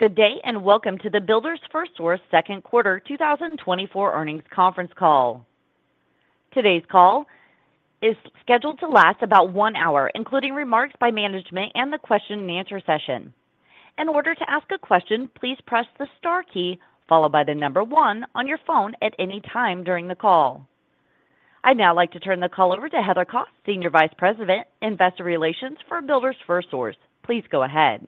Good day, and welcome to the Builders FirstSource Second Quarter 2024 Earnings Conference Call. Today's call is scheduled to last about one hour, including remarks by management and the question and answer session. In order to ask a question, please press the star key, followed by the number one on your phone at any time during the call. I'd now like to turn the call over to Heather Kos, Senior Vice President, Investor Relations for Builders FirstSource. Please go ahead.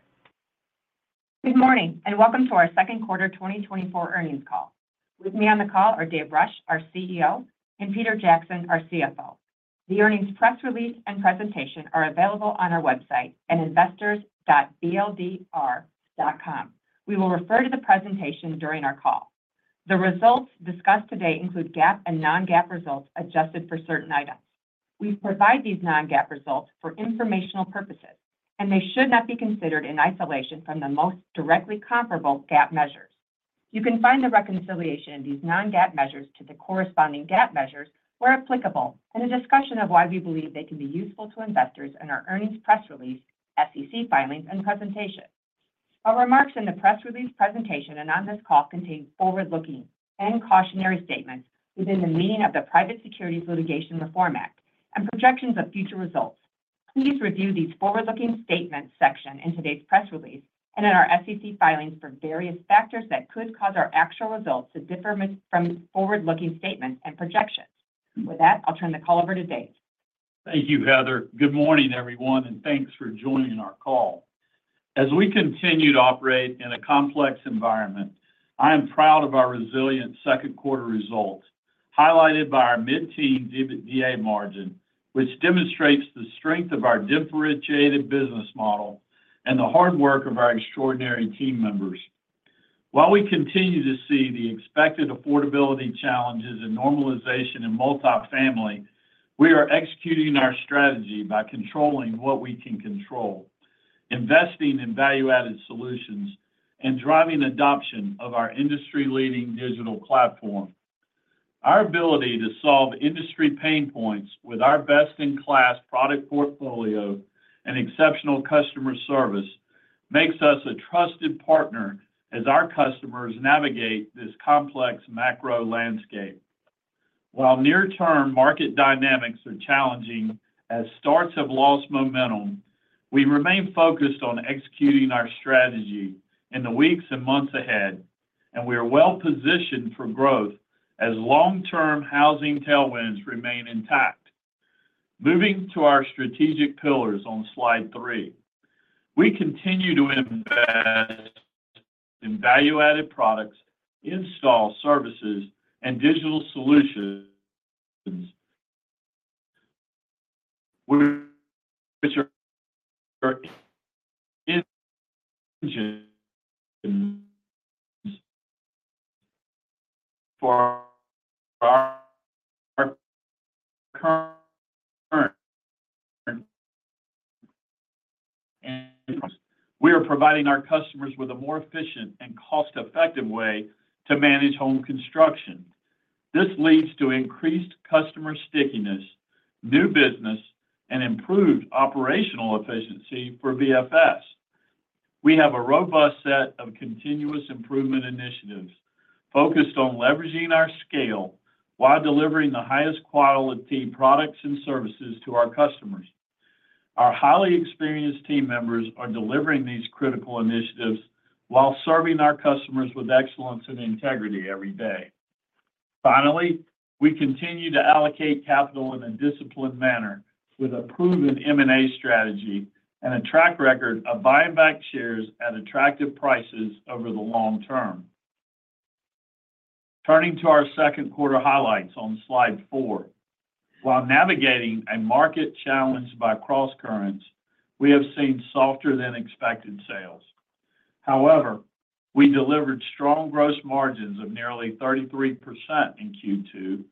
Good morning, and welcome to our second quarter 2024 earnings call. With me on the call are Dave Rush, our CEO, and Peter Jackson, our CFO. The earnings press release and presentation are available on our website at investors.bldr.com. We will refer to the presentation during our call. The results discussed today include GAAP and non-GAAP results adjusted for certain items. We provide these non-GAAP results for informational purposes, and they should not be considered in isolation from the most directly comparable GAAP measures. You can find the reconciliation of these non-GAAP measures to the corresponding GAAP measures where applicable, and a discussion of why we believe they can be useful to investors in our earnings press release, SEC filings, and presentation. Our remarks in the press release presentation and on this call contain forward-looking and cautionary statements within the meaning of the Private Securities Litigation Reform Act and projections of future results. Please review these forward-looking statements section in today's press release and in our SEC filings for various factors that could cause our actual results to differ from forward-looking statements and projections. With that, I'll turn the call over to Dave. Thank you, Heather. Good morning, everyone, and thanks for joining our call. As we continue to operate in a complex environment, I am proud of our resilient second quarter results, highlighted by our mid-teen EBITDA margin, which demonstrates the strength of our differentiated business model and the hard work of our extraordinary team members. While we continue to see the expected affordability challenges and normalization in Multifamily, we are executing our strategy by controlling what we can control, investing in value-added solutions, and driving adoption of our industry-leading digital platform. Our ability to solve industry pain points with our best-in-class product portfolio and exceptional customer service makes us a trusted partner as our customers navigate this complex macro landscape. While near-term market dynamics are challenging as starts have lost momentum, we remain focused on executing our strategy in the weeks and months ahead, and we are well positioned for growth as long-term housing tailwinds remain intact. Moving to our strategic pillars on slide 3. We continue to invest in value-added products, install services, and digital solutions... which are important for our customers. We are providing our customers with a more efficient and cost-effective way to manage home construction. This leads to increased customer stickiness, new business, and improved operational efficiency for BFS. We have a robust set of continuous improvement initiatives focused on leveraging our scale while delivering the highest quality products and services to our customers. Our highly experienced team members are delivering these critical initiatives while serving our customers with excellence and integrity every day. Finally, we continue to allocate capital in a disciplined manner with a proven M&A strategy and a track record of buying back shares at attractive prices over the long term. Turning to our second quarter highlights on Slide 4. While navigating a market challenged by crosscurrents, we have seen softer than expected sales. However, we delivered strong gross margins of nearly 33% in Q2,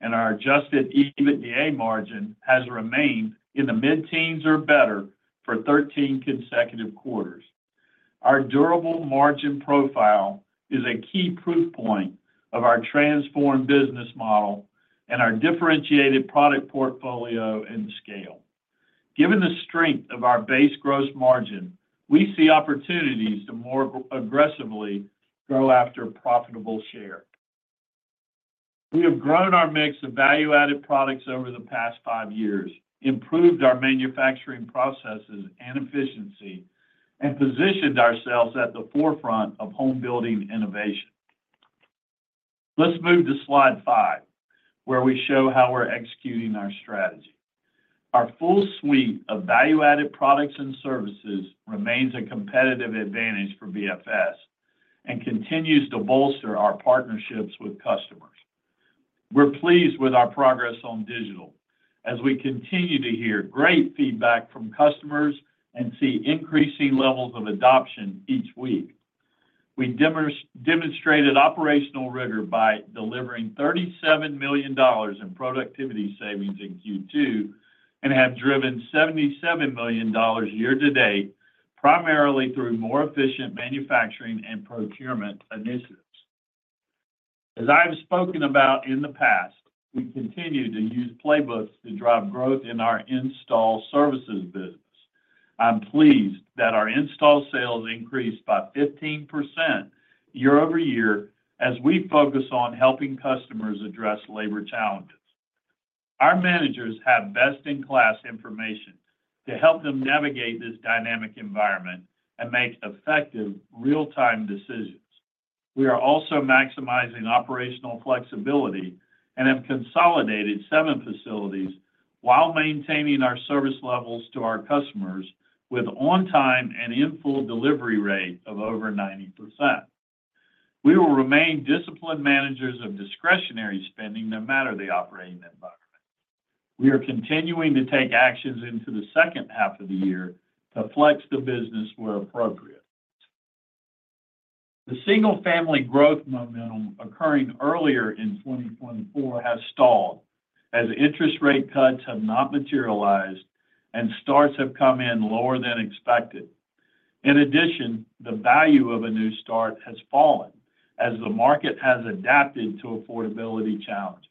and our adjusted EBITDA margin has remained in the mid-teens or better for 13 consecutive quarters. Our durable margin profile is a key proof point of our transformed business model and our differentiated product portfolio and scale. Given the strength of our base gross margin, we see opportunities to more aggressively go after profitable share. We have grown our mix of value-added products over the past 5 years, improved our manufacturing processes and efficiency, and positioned ourselves at the forefront of home building innovation. Let's move to Slide 5, where we show how we're executing our strategy. Our full suite of value-added products and services remains a competitive advantage for BFS and continues to bolster our partnerships with customers. We're pleased with our progress on digital as we continue to hear great feedback from customers and see increasing levels of adoption each week. We demonstrated operational rigor by delivering $37 million in productivity savings in Q2 and have driven $77 million year to date, primarily through more efficient manufacturing and procurement initiatives. As I have spoken about in the past, we continue to use playbooks to drive growth in our install services business. I'm pleased that our install sales increased by 15% year-over-year as we focus on helping customers address labor challenges. Our managers have best-in-class information to help them navigate this dynamic environment and make effective real-time decisions. We are also maximizing operational flexibility and have consolidated 7 facilities while maintaining our service levels to our customers with on-time and in-full delivery rate of over 90%. We will remain disciplined managers of discretionary spending, no matter the operating environment. We are continuing to take actions into the second half of the year to flex the business where appropriate. The Single-Family growth momentum occurring earlier in 2024 has stalled, as interest rate cuts have not materialized and starts have come in lower than expected. In addition, the value of a new start has fallen as the market has adapted to affordability challenges.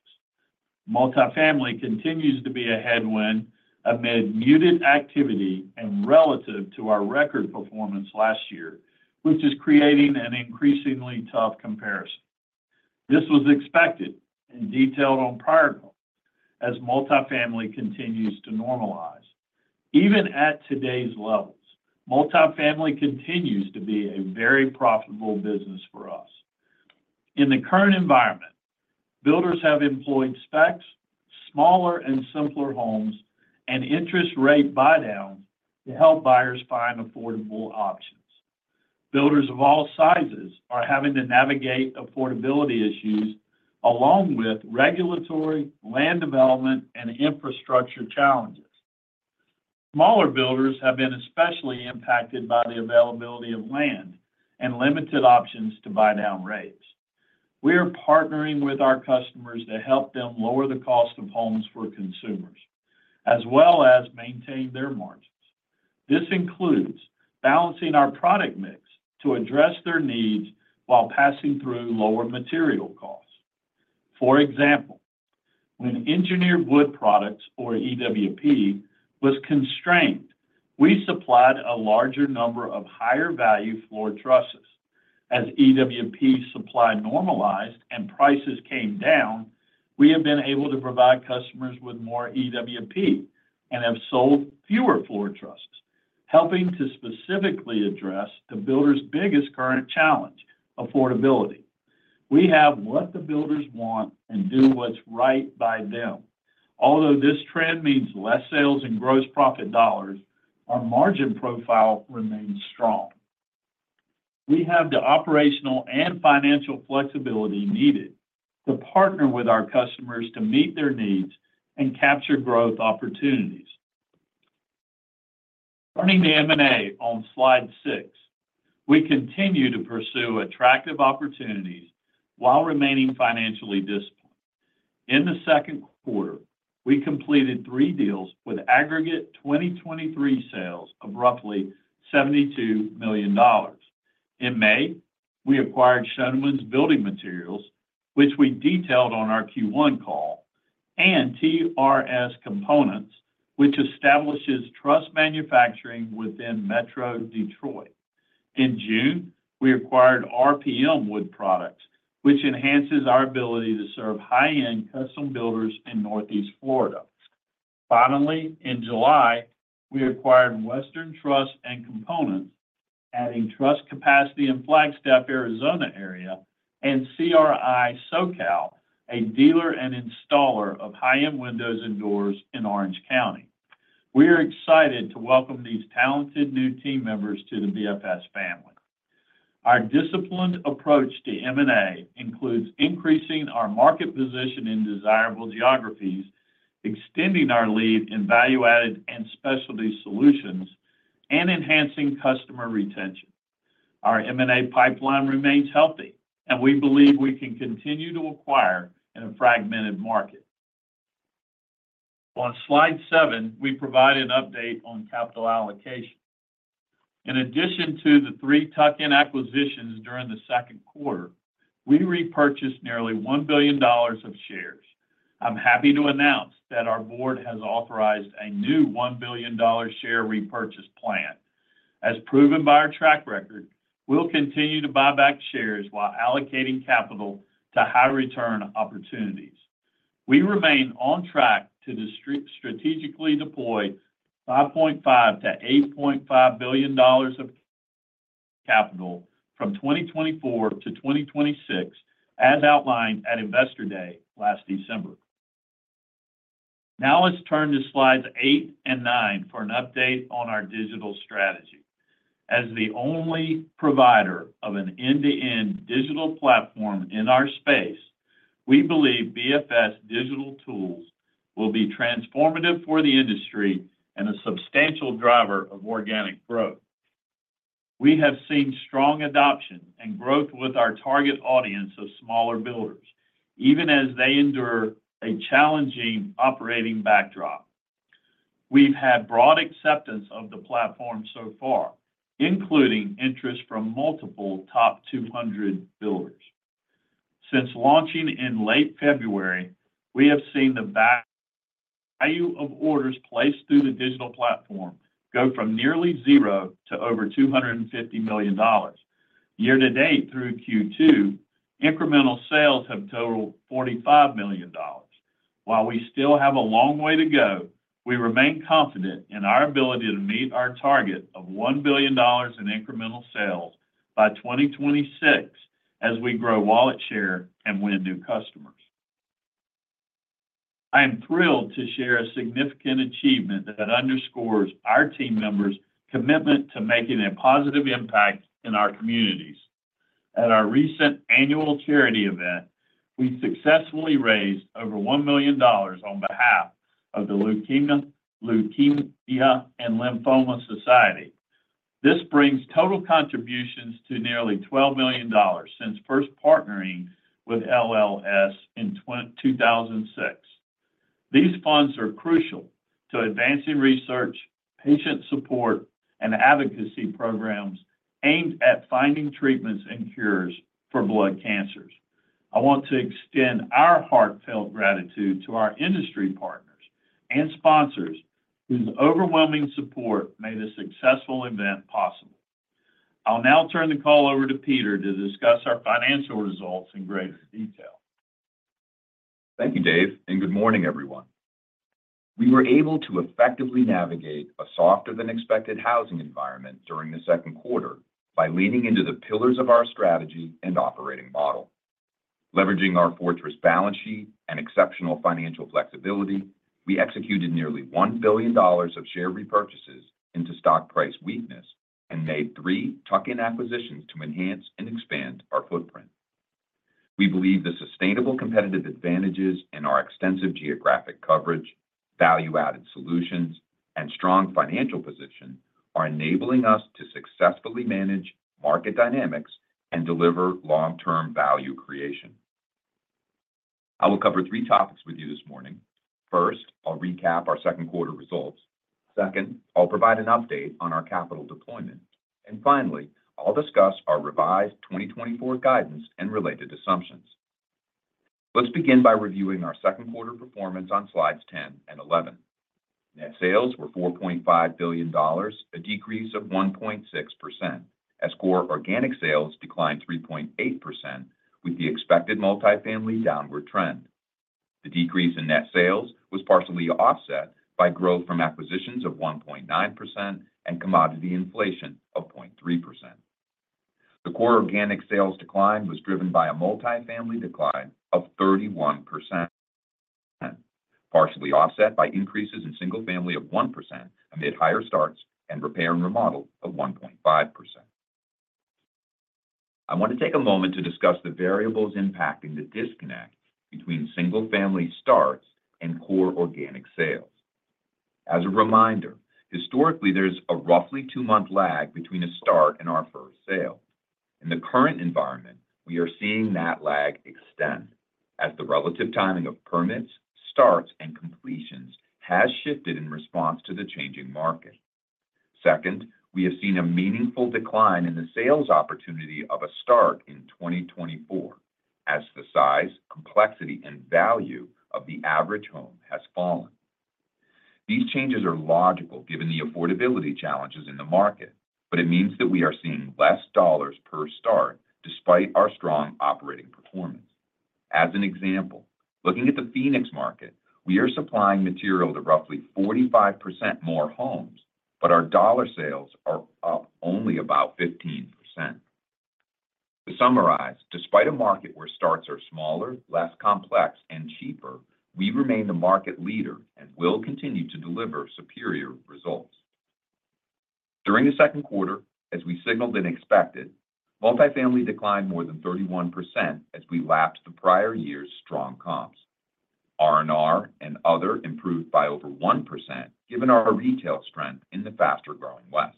Multifamily continues to be a headwind amid muted activity and relative to our record performance last year, which is creating an increasingly tough comparison. This was expected and detailed on prior calls, as multifamily continues to normalize. Even at today's levels, multifamily continues to be a very profitable business for us. In the current environment, builders have employed specs, smaller and simpler homes, and interest rate buydowns to help buyers find affordable options. Builders of all sizes are having to navigate affordability issues along with regulatory, land development, and infrastructure challenges. Smaller builders have been especially impacted by the availability of land and limited options to buy down rates. We are partnering with our customers to help them lower the cost of homes for consumers, as well as maintain their margins. This includes balancing our product mix to address their needs while passing through lower material costs. For example, when engineered wood products, or EWP, was constrained, we supplied a larger number of higher-value floor trusses. As EWP supply normalized and prices came down, we have been able to provide customers with more EWP and have sold fewer floor trusses, helping to specifically address the builders' biggest current challenge: affordability. We have what the builders want and do what's right by them. Although this trend means less sales and gross profit dollars, our margin profile remains strong. We have the operational and financial flexibility needed to partner with our customers to meet their needs and capture growth opportunities. Turning to M&A on slide 6, we continue to pursue attractive opportunities while remaining financially disciplined. In the second quarter, we completed three deals with aggregate 2023 sales of roughly $72 million. In May, we acquired Schoeneman's Building Materials, which we detailed on our Q1 call, and TRS Components, which establishes truss manufacturing within Metro Detroit. In June, we acquired RPM Wood Products, which enhances our ability to serve high-end custom builders in Northeast Florida. Finally, in July, we acquired Western Truss and Components, adding truss capacity in Flagstaff, Arizona area, and CRI SoCal, a dealer and installer of high-end windows and doors in Orange County. We are excited to welcome these talented new team members to the BFS family. Our disciplined approach to M&A includes increasing our market position in desirable geographies, extending our lead in value-added and specialty solutions, and enhancing customer retention. Our M&A pipeline remains healthy, and we believe we can continue to acquire in a fragmented market. On slide seven, we provide an update on capital allocation. In addition to the three tuck-in acquisitions during the second quarter, we repurchased nearly $1 billion of shares. I'm happy to announce that our board has authorized a new $1 billion share repurchase plan. As proven by our track record, we'll continue to buy back shares while allocating capital to high-return opportunities. We remain on track to strategically deploy $5.5 billion-$8.5 billion of capital from 2024 to 2026, as outlined at Investor Day last December. Now, let's turn to slides 8 and 9 for an update on our digital strategy. As the only provider of an end-to-end digital platform in our space, we believe BFS Digital Tools will be transformative for the industry and a substantial driver of organic growth. We have seen strong adoption and growth with our target audience of smaller builders, even as they endure a challenging operating backdrop.... We've had broad acceptance of the platform so far, including interest from multiple top 200 builders. Since launching in late February, we have seen the value of orders placed through the digital platform go from nearly zero to over $250 million. Year-to-date, through Q2, incremental sales have totaled $45 million. While we still have a long way to go, we remain confident in our ability to meet our target of $1 billion in incremental sales by 2026 as we grow wallet share and win new customers. I am thrilled to share a significant achievement that underscores our team members' commitment to making a positive impact in our communities. At our recent annual charity event, we successfully raised over $1 million on behalf of the Leukemia and Lymphoma Society. This brings total contributions to nearly $12 million since first partnering with LLS in 2006. These funds are crucial to advancing research, patient support, and advocacy programs aimed at finding treatments and cures for blood cancers. I want to extend our heartfelt gratitude to our industry partners and sponsors, whose overwhelming support made this successful event possible. I'll now turn the call over to Peter to discuss our financial results in greater detail. Thank you, Dave, and good morning, everyone. We were able to effectively navigate a softer-than-expected housing environment during the second quarter by leaning into the pillars of our strategy and operating model. Leveraging our fortress balance sheet and exceptional financial flexibility, we executed nearly $1 billion of share repurchases into stock price weakness and made three tuck-in acquisitions to enhance and expand our footprint. We believe the sustainable competitive advantages in our extensive geographic coverage, value-added solutions, and strong financial position are enabling us to successfully manage market dynamics and deliver long-term value creation. I will cover three topics with you this morning. First, I'll recap our second quarter results. Second, I'll provide an update on our capital deployment, and finally, I'll discuss our revised 2024 guidance and related assumptions. Let's begin by reviewing our second quarter performance on slides 10 and 11. Net sales were $4.5 billion, a decrease of 1.6%, as core organic sales declined 3.8% with the expected multifamily downward trend. The decrease in net sales was partially offset by growth from acquisitions of 1.9% and commodity inflation of 0.3%. The core organic sales decline was driven by a multifamily decline of 31%, partially offset by increases in single-family of 1%, amid higher starts and repair and remodel of 1.5%. I want to take a moment to discuss the variables impacting the disconnect between single-family starts and core organic sales. As a reminder, historically, there's a roughly two-month lag between a start and our first sale. In the current environment, we are seeing that lag extend as the relative timing of permits, starts, and completions has shifted in response to the changing market. Second, we have seen a meaningful decline in the sales opportunity of a start in 2024 as the size, complexity, and value of the average home has fallen. These changes are logical given the affordability challenges in the market, but it means that we are seeing less dollars per start despite our strong operating performance. As an example, looking at the Phoenix market, we are supplying material to roughly 45% more homes, but our dollar sales are up only about 15%. To summarize, despite a market where starts are smaller, less complex, and cheaper, we remain the market leader and will continue to deliver superior results. During the second quarter, as we signaled and expected, multifamily declined more than 31% as we lapsed the prior year's strong comps. R&R and other improved by over 1%, given our retail strength in the faster-growing West.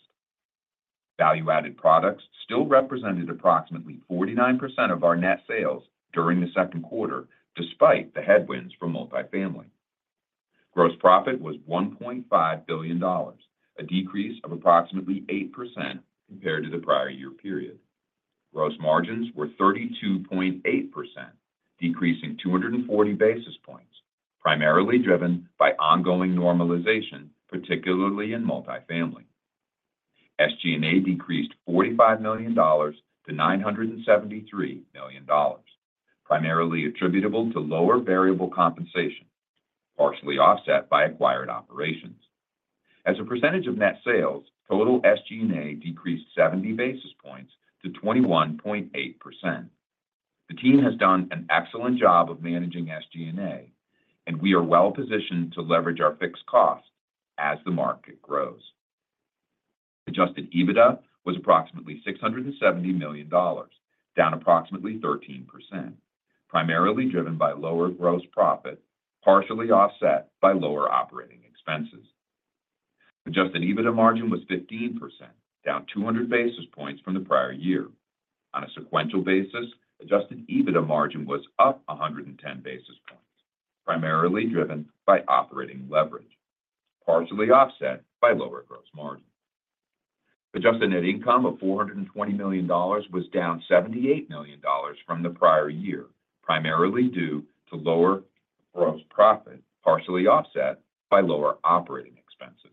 Value-added products still represented approximately 49% of our net sales during the second quarter, despite the headwinds from multifamily. Gross profit was $1.5 billion, a decrease of approximately 8% compared to the prior year period. Gross margins were 32.8%, decreasing 240 basis points, primarily driven by ongoing normalization, particularly in multifamily. SG&A decreased $45 million to $973 million, primarily attributable to lower variable compensation, partially offset by acquired operations. As a percentage of net sales, total SG&A decreased 70 basis points to 21.8%. The team has done an excellent job of managing SG&A, and we are well positioned to leverage our fixed costs as the market grows. Adjusted EBITDA was approximately $670 million, down approximately 13%, primarily driven by lower gross profit, partially offset by lower operating expenses. Adjusted EBITDA margin was 15%, down 200 basis points from the prior year. On a sequential basis, adjusted EBITDA margin was up 110 basis points, primarily driven by operating leverage, partially offset by lower gross margin. Adjusted net income of $420 million was down $78 million from the prior year, primarily due to lower gross profit, partially offset by lower operating expenses.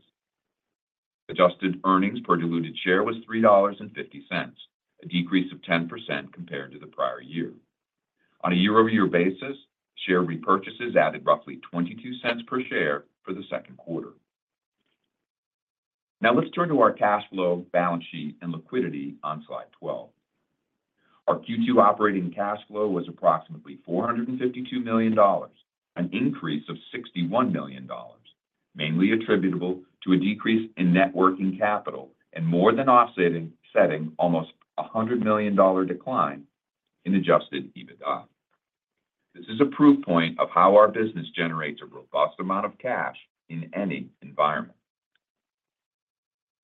Adjusted earnings per diluted share was $3.50, a decrease of 10% compared to the prior year. On a year-over-year basis, share repurchases added roughly $0.22 per share for the second quarter. Now let's turn to our cash flow, balance sheet, and liquidity on slide 12. Our Q2 operating cash flow was approximately $452 million, an increase of $61 million, mainly attributable to a decrease in net working capital and more than offsetting, setting almost a $100 million decline in Adjusted EBITDA. This is a proof point of how our business generates a robust amount of cash in any environment.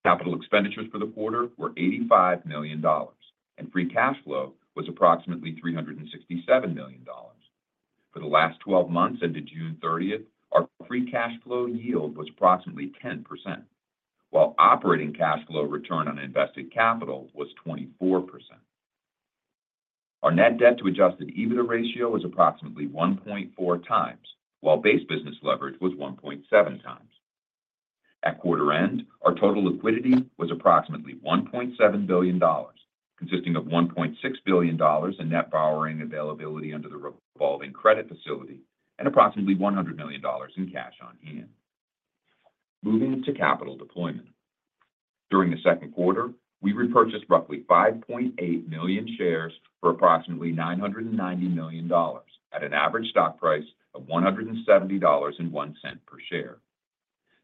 Capital expenditures for the quarter were $85 million, and free cash flow was approximately $367 million. For the last 12 months ended June 30, our free cash flow yield was approximately 10%, while operating cash flow return on invested capital was 24%. Our net debt to Adjusted EBITDA ratio was approximately 1.4x, while Base Business leverage was 1.7x. At quarter end, our total liquidity was approximately $1.7 billion, consisting of $1.6 billion in net borrowing availability under the revolving credit facility and approximately $100 million in cash on hand. Moving to capital deployment. During the second quarter, we repurchased roughly 5.8 million shares for approximately $990 million at an average stock price of $170.01 per share.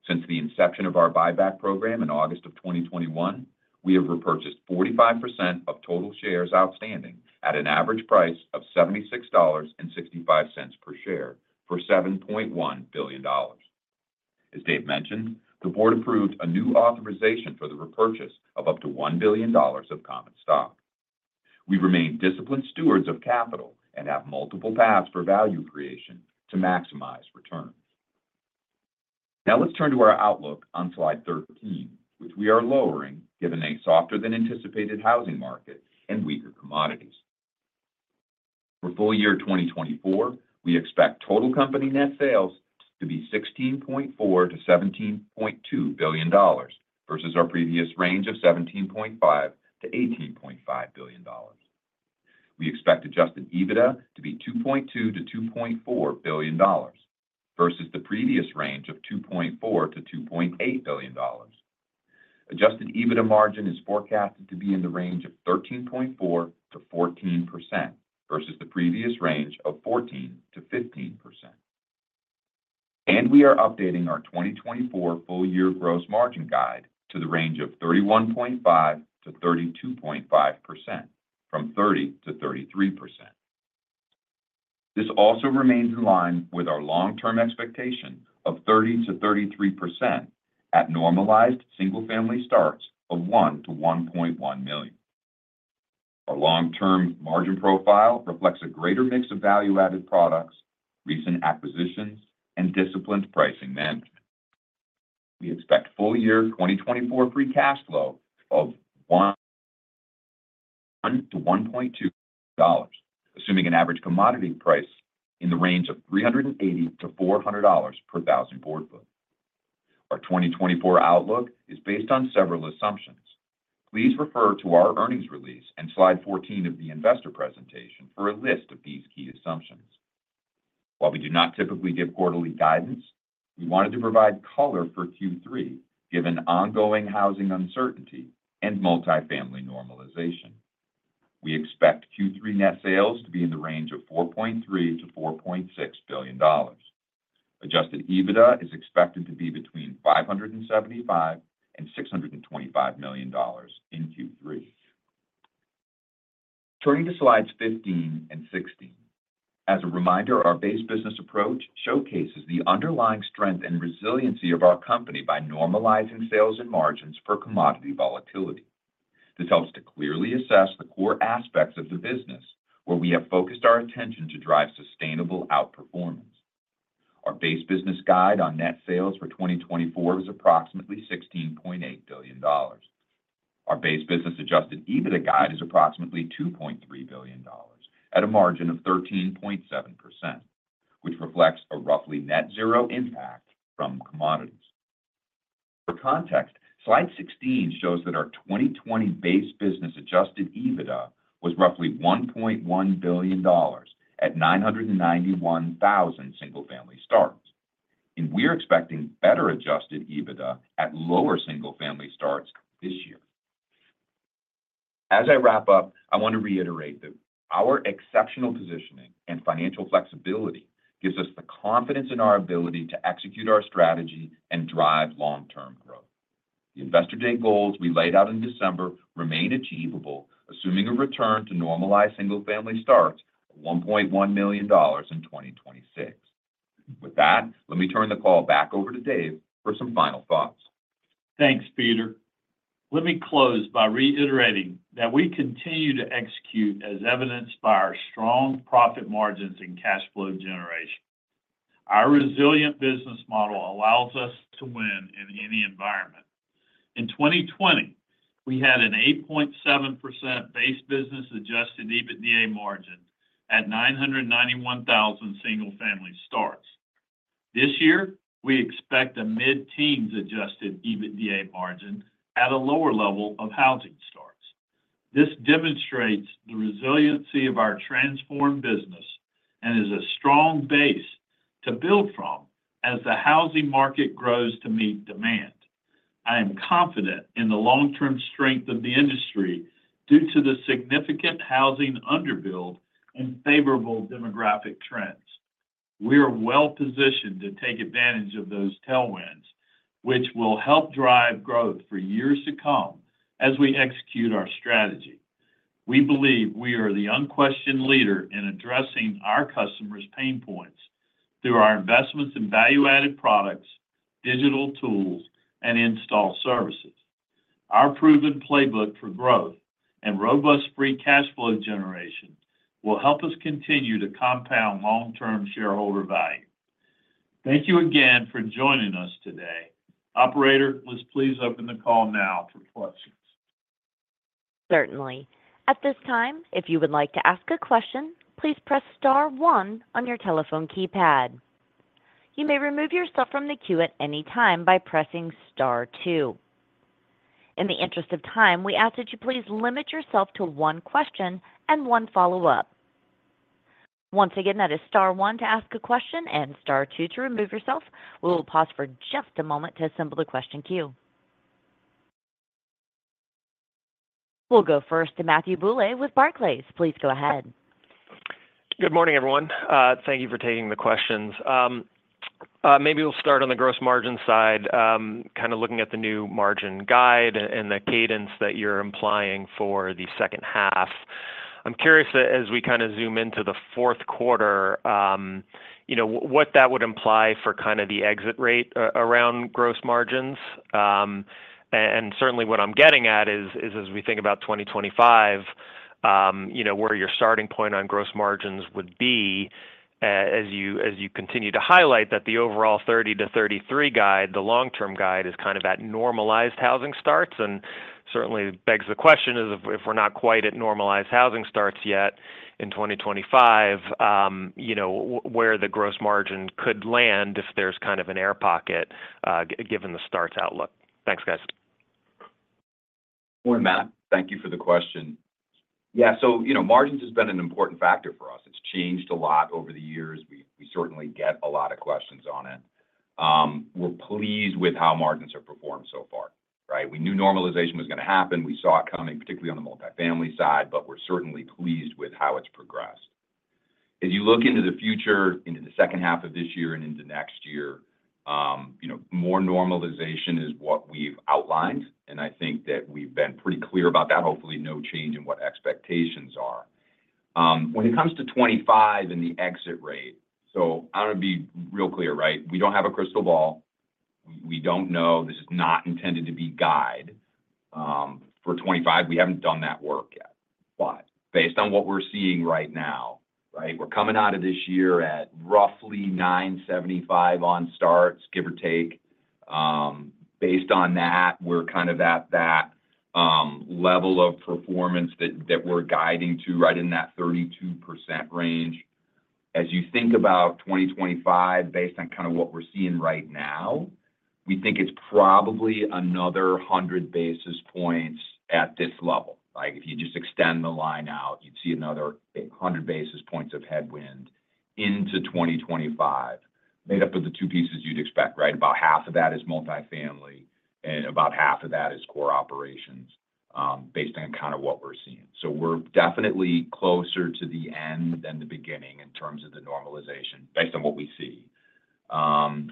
Since the inception of our buyback program in August of 2021, we have repurchased 45% of total shares outstanding at an average price of $76.65 per share for $7.1 billion. As Dave mentioned, the board approved a new authorization for the repurchase of up to $1 billion of common stock. We remain disciplined stewards of capital and have multiple paths for value creation to maximize returns. Now let's turn to our outlook on slide 13, which we are lowering, given a softer than anticipated housing market and weaker commodities. For full year 2024, we expect total company net sales to be $16.4 billion-$17.2 billion versus our previous range of $17.5 billion-$18.5 billion. We expect Adjusted EBITDA to be $2.2 billion-$2.4 billion versus the previous range of $2.4 billion-$2.8 billion. Adjusted EBITDA margin is forecasted to be in the range of 13.4%-14% versus the previous range of 14%-15%. We are updating our 2024 full-year gross margin guide to the range of 31.5%-32.5% from 30%-33%. This also remains in line with our long-term expectation of 30%-33% at normalized single-family starts of 1-1.1 million. Our long-term margin profile reflects a greater mix of value-added products, recent acquisitions, and disciplined pricing management. We expect full-year 2024 free cash flow of $1-$1.2, assuming an average commodity price in the range of $380-$400 per thousand board foot. Our 2024 outlook is based on several assumptions. Please refer to our earnings release in slide 14 of the investor presentation for a list of these key assumptions. While we do not typically give quarterly guidance, we wanted to provide color for Q3, given ongoing housing uncertainty and multifamily normalization. We expect Q3 net sales to be in the range of $4.3 billion-$4.6 billion. Adjusted EBITDA is expected to be between $575 million and $625 million in Q3. Turning to slides 15 and 16. As a reminder, our base business approach showcases the underlying strength and resiliency of our company by normalizing sales and margins for commodity volatility. This helps to clearly assess the core aspects of the business, where we have focused our attention to drive sustainable outperformance. Our base business guide on net sales for 2024 is approximately $16.8 billion. Our base business adjusted EBITDA guide is approximately $2.3 billion at a margin of 13.7%, which reflects a roughly net zero impact from commodities. For context, slide 16 shows that our 2020 base business adjusted EBITDA was roughly $1.1 billion at 991,000 single-family starts, and we are expecting better adjusted EBITDA at lower single-family starts this year. As I wrap up, I want to reiterate that our exceptional positioning and financial flexibility gives us the confidence in our ability to execute our strategy and drive long-term growth. The Investor Day goals we laid out in December remain achievable, assuming a return to normalized single-family starts at $1.1 million in 2026. With that, let me turn the call back over to Dave for some final thoughts. Thanks, Peter. Let me close by reiterating that we continue to execute, as evidenced by our strong profit margins and cash flow generation. Our resilient business model allows us to win in any environment. In 2020, we had an 8.7% base business adjusted EBITDA margin at 991,000 single-family starts. This year, we expect a mid-teens adjusted EBITDA margin at a lower level of housing starts. This demonstrates the resiliency of our transformed business and is a strong base to build from as the housing market grows to meet demand. I am confident in the long-term strength of the industry due to the significant housing underbuild and favorable demographic trends. We are well positioned to take advantage of those tailwinds, which will help drive growth for years to come as we execute our strategy. We believe we are the unquestioned leader in addressing our customers' pain points through our investments in value-added products, digital tools, and install services. Our proven playbook for growth and robust free cash flow generation will help us continue to compound long-term shareholder value. Thank you again for joining us today. Operator, let's please open the call now for questions. Certainly. At this time, if you would like to ask a question, please press star one on your telephone keypad. You may remove yourself from the queue at any time by pressing star two. In the interest of time, we ask that you please limit yourself to one question and one follow-up. Once again, that is star one to ask a question and star two to remove yourself. We will pause for just a moment to assemble a question queue. We'll go first to Matthew Bouley with Barclays. Please go ahead. Good morning, everyone. Thank you for taking the questions. Maybe we'll start on the gross margin side. Kind of looking at the new margin guide and the cadence that you're implying for the second half. I'm curious as we kind of zoom into the fourth quarter, you know, what that would imply for kind of the exit rate around gross margins. And certainly what I'm getting at is as we think about 2025, you know, where your starting point on gross margins would be as you continue to highlight that the overall 30-33 guide, the long-term guide, is kind of at normalized housing starts. Certainly begs the question, is if we're not quite at normalized housing starts yet in 2025, you know, where the gross margin could land if there's kind of an air pocket, given the starts outlook? Thanks, guys. Morning, Matt. Thank you for the question. Yeah, so, you know, margins has been an important factor for us. It's changed a lot over the years. We certainly get a lot of questions on it. We're pleased with how margins have performed so far, right? We knew normalization was going to happen. We saw it coming, particularly on the Multifamily side, but we're certainly pleased with how it's progressed. As you look into the future, into the second half of this year and into next year, you know, more normalization is what we've outlined, and I think that we've been pretty clear about that. Hopefully, no change in what expectations are. When it comes to 2025 and the exit rate, so I'm going to be real clear, right? We don't have a crystal ball. We don't know. This is not intended to be guide. For 2025, we haven't done that work yet. But based on what we're seeing right now, right, we're coming out of this year at roughly 975 on starts, give or take. Based on that, we're kind of at that level of performance that we're guiding to, right in that 32% range. As you think about 2025, based on kind of what we're seeing right now, we think it's probably another 100 basis points at this level. Like, if you just extend the line out, you'd see another 100 basis points of headwind into 2025, made up of the two pieces you'd expect, right? About half of that is multifamily, and about half of that is core operations, based on kind of what we're seeing. So we're definitely closer to the end than the beginning in terms of the normalization, based on what we see.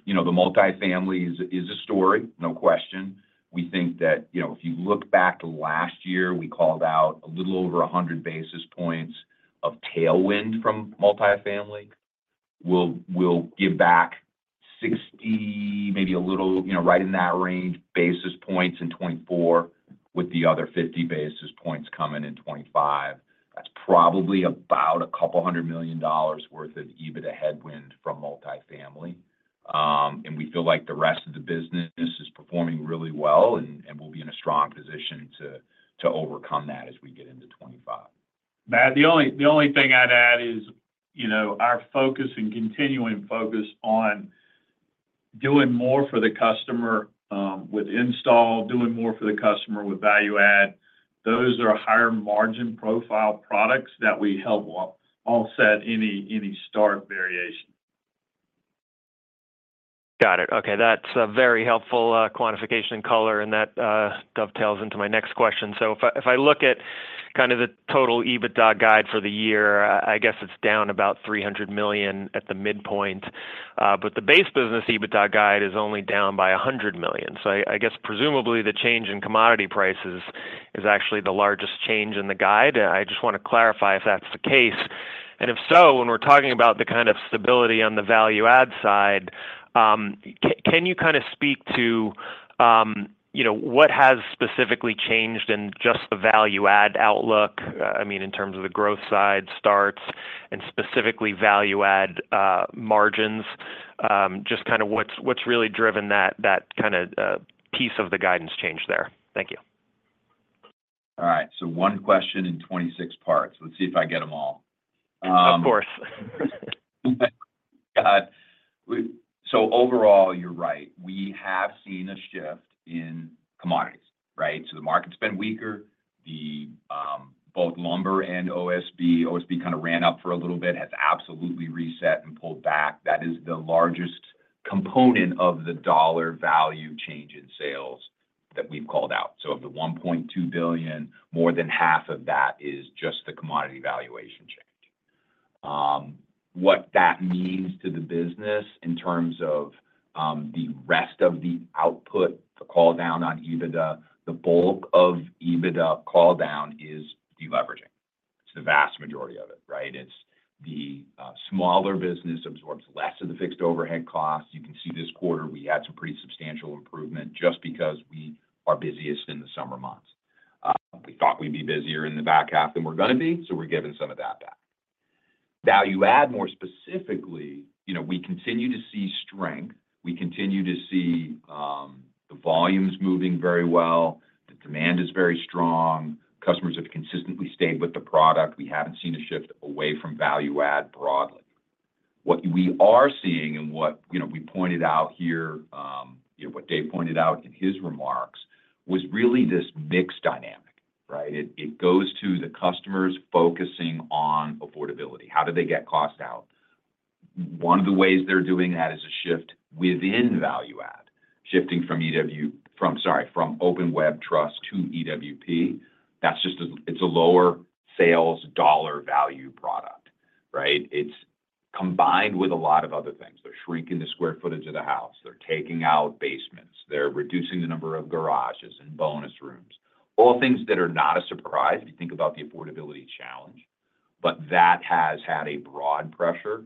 You know, the multifamily is a story, no question. We think that, you know, if you look back to last year, we called out a little over 100 basis points of tailwind from multifamily. We'll give back 60, maybe a little, you know, right in that range, basis points in 2024, with the other 50 basis points coming in 2025. That's probably about $200 million worth of EBITDA headwind from multifamily. And we feel like the rest of the business is performing really well and we'll be in a strong position to overcome that as we get into 2025. Matt, the only thing I'd add is, you know, our focus and continuing focus on doing more for the customer with install, doing more for the customer with value add. Those are higher margin profile products that we help offset any start variation. Got it. Okay, that's a very helpful quantification and color, and that dovetails into my next question. So if I look at kind of the total EBITDA guide for the year, I guess it's down about $300 million at the midpoint... But the base business EBITDA guide is only down by $100 million. So I guess presumably the change in commodity prices is actually the largest change in the guide. I just want to clarify if that's the case, and if so, when we're talking about the kind of stability on the value add side, can you kind of speak to, you know, what has specifically changed in just the value add outlook? I mean, in terms of the growth side, starts, and specifically value add, margins. Just kind of what's really driven that kind of piece of the guidance change there? Thank you. All right, so one question in 2026 parts. Let's see if I get them all. Of course. God, we so overall, you're right, we have seen a shift in commodities, right? So the market's been weaker. The both lumber and OSB, OSB kind of ran up for a little bit, has absolutely reset and pulled back. That is the largest component of the dollar value change in sales that we've called out. So of the $1.2 billion, more than half of that is just the commodity valuation change. What that means to the business in terms of the rest of the output, the call down on EBITDA, the bulk of EBITDA call down is deleveraging. It's the vast majority of it, right? It's the smaller business absorbs less of the fixed overhead costs. You can see this quarter, we had some pretty substantial improvement just because we are busiest in the summer months. We thought we'd be busier in the back half than we're gonna be, so we're giving some of that back. Value add, more specifically, you know, we continue to see strength, we continue to see the volumes moving very well. The demand is very strong. Customers have consistently stayed with the product. We haven't seen a shift away from value add broadly. What we are seeing and what, you know, we pointed out here, you know, what Dave pointed out in his remarks, was really this mixed dynamic, right? It goes to the customers focusing on affordability. How do they get cost out? One of the ways they're doing that is a shift within value add, shifting from open web truss to EWP. That's just it's a lower sales dollar value product, right? It's combined with a lot of other things. They're shrinking the square footage of the house. They're taking out basements. They're reducing the number of garages and bonus rooms. All things that are not a surprise if you think about the affordability challenge, but that has had a broad pressure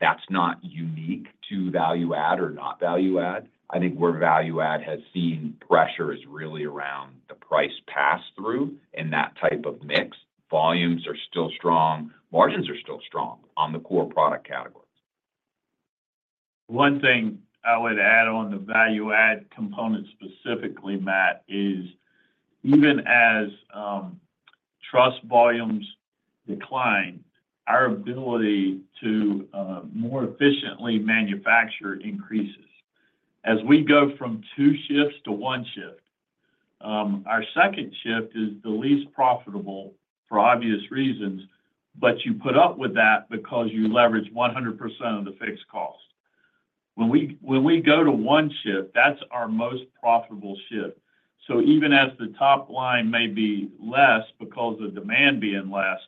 that's not unique to value add or not value add. I think where value add has seen pressure is really around the price pass-through and that type of mix. Volumes are still strong, margins are still strong on the core product categories. One thing I would add on the value add component, specifically, Matt, is even as truss volumes decline, our ability to more efficiently manufacture increases. As we go from 2 shifts to 1 shift, our second shift is the least profitable for obvious reasons, but you put up with that because you leverage 100% of the fixed cost. When we go to 1 shift, that's our most profitable shift. So even as the top line may be less because of demand being less,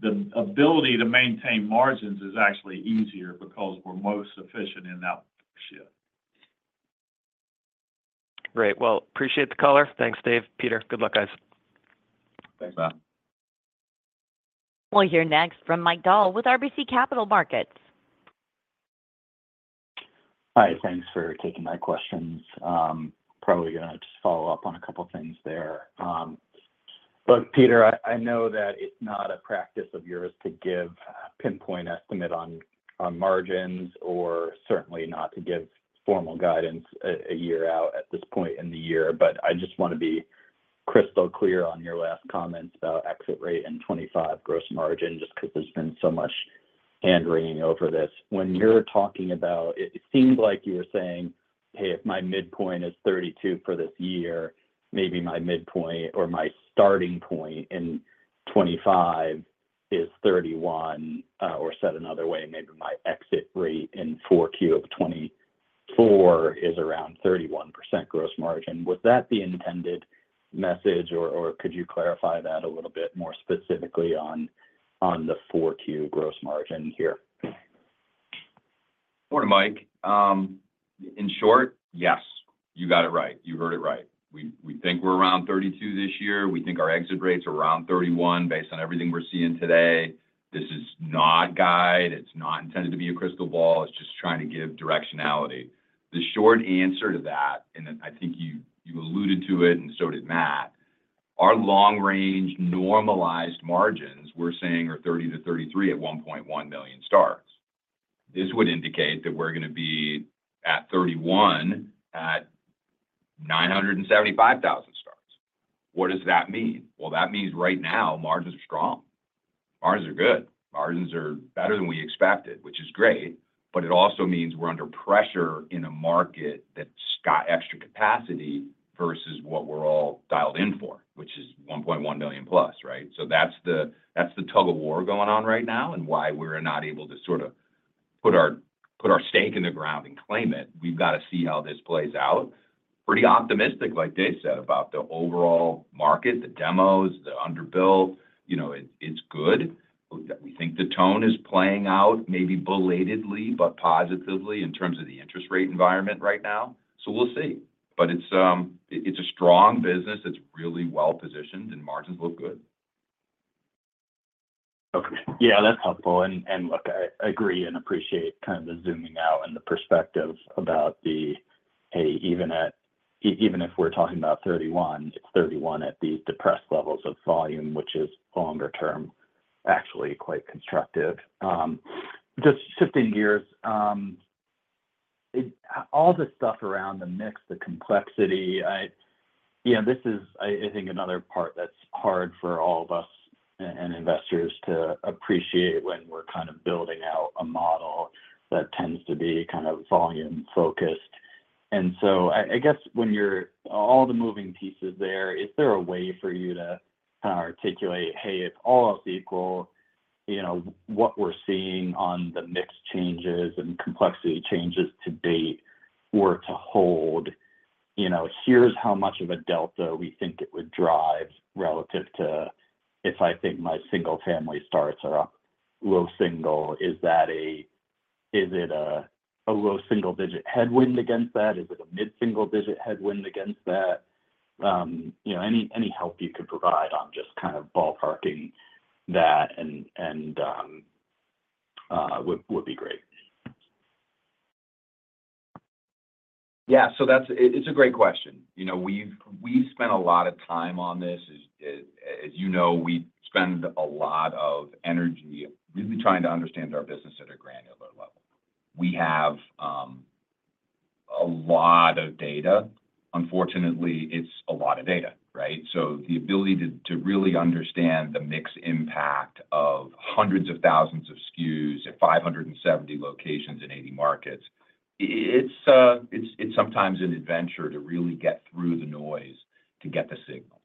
the ability to maintain margins is actually easier because we're most efficient in that shift. Great. Well, appreciate the call. Thanks, Dave, Peter. Good luck, guys. Thanks, Matt. We'll hear next from Mike Dahl with RBC Capital Markets. Hi, thanks for taking my questions. Probably gonna just follow up on a couple of things there. Look, Peter, I know that it's not a practice of yours to give a pinpoint estimate on margins, or certainly not to give formal guidance a year out at this point in the year, but I just want to be crystal clear on your last comments about exit rate and 25% gross margin, just because there's been so much hand-wringing over this. When you're talking about it, it seems like you're saying, "Hey, if my midpoint is 32% for this year, maybe my midpoint or my starting point in 2025 is 31%," or said another way, maybe my exit rate in 4Q of 2024 is around 31% gross margin. Was that the intended message, or could you clarify that a little bit more specifically on the 4Q gross margin here? Morning, Mike. In short, yes, you got it right. You heard it right. We think we're around 32% this year. We think our exit rate's around 31%, based on everything we're seeing today. This is not guide. It's not intended to be a crystal ball. It's just trying to give directionality. The short answer to that, and then I think you alluded to it and so did Matt, our long-range normalized margins, we're saying, are 30%-33% at 1.1 million starts. This would indicate that we're gonna be at 31%, at 975,000 starts. What does that mean? Well, that means right now, margins are strong. Margins are good. Margins are better than we expected, which is great, but it also means we're under pressure in a market that's got extra capacity versus what we're all dialed in for, which is 1.1 million plus, right? So that's the, that's the tug-of-war going on right now and why we're not able to sort of put our, put our stake in the ground... claim it. We've got to see how this plays out. Pretty optimistic, like Dave said, about the overall market, the demos, the underbill, you know, it, it's good. We think the tone is playing out, maybe belatedly, but positively in terms of the interest rate environment right now. So we'll see. But it's, it's a strong business, it's really well positioned, and margins look good. Okay. Yeah, that's helpful. And look, I agree and appreciate kind of the zooming out and the perspective about the, hey, even if we're talking about 31, it's 31 at the depressed levels of volume, which is longer term, actually quite constructive. Just shifting gears, it all the stuff around the mix, the complexity, I... Yeah, this is, I think another part that's hard for all of us and investors to appreciate when we're kind of building out a model that tends to be kind of volume focused. And so I guess, when you're all the moving pieces there, is there a way for you to articulate, "Hey, if all else equal, you know, what we're seeing on the mix changes and complexity changes to date were to hold, you know, here's how much of a delta we think it would drive relative to..." If I think my single family starts are up, low single, is it a low single-digit headwind against that? Is it a mid-single digit headwind against that? You know, any help you could provide on just kind of ballparking that and would be great. Yeah, so that's it, it's a great question. You know, we've spent a lot of time on this. As you know, we spend a lot of energy really trying to understand our business at a granular level. We have a lot of data. Unfortunately, it's a lot of data, right? So the ability to really understand the mix impact of hundreds of thousands of SKUs at 570 locations in 80 markets, it's, it's sometimes an adventure to really get through the noise to get the signal.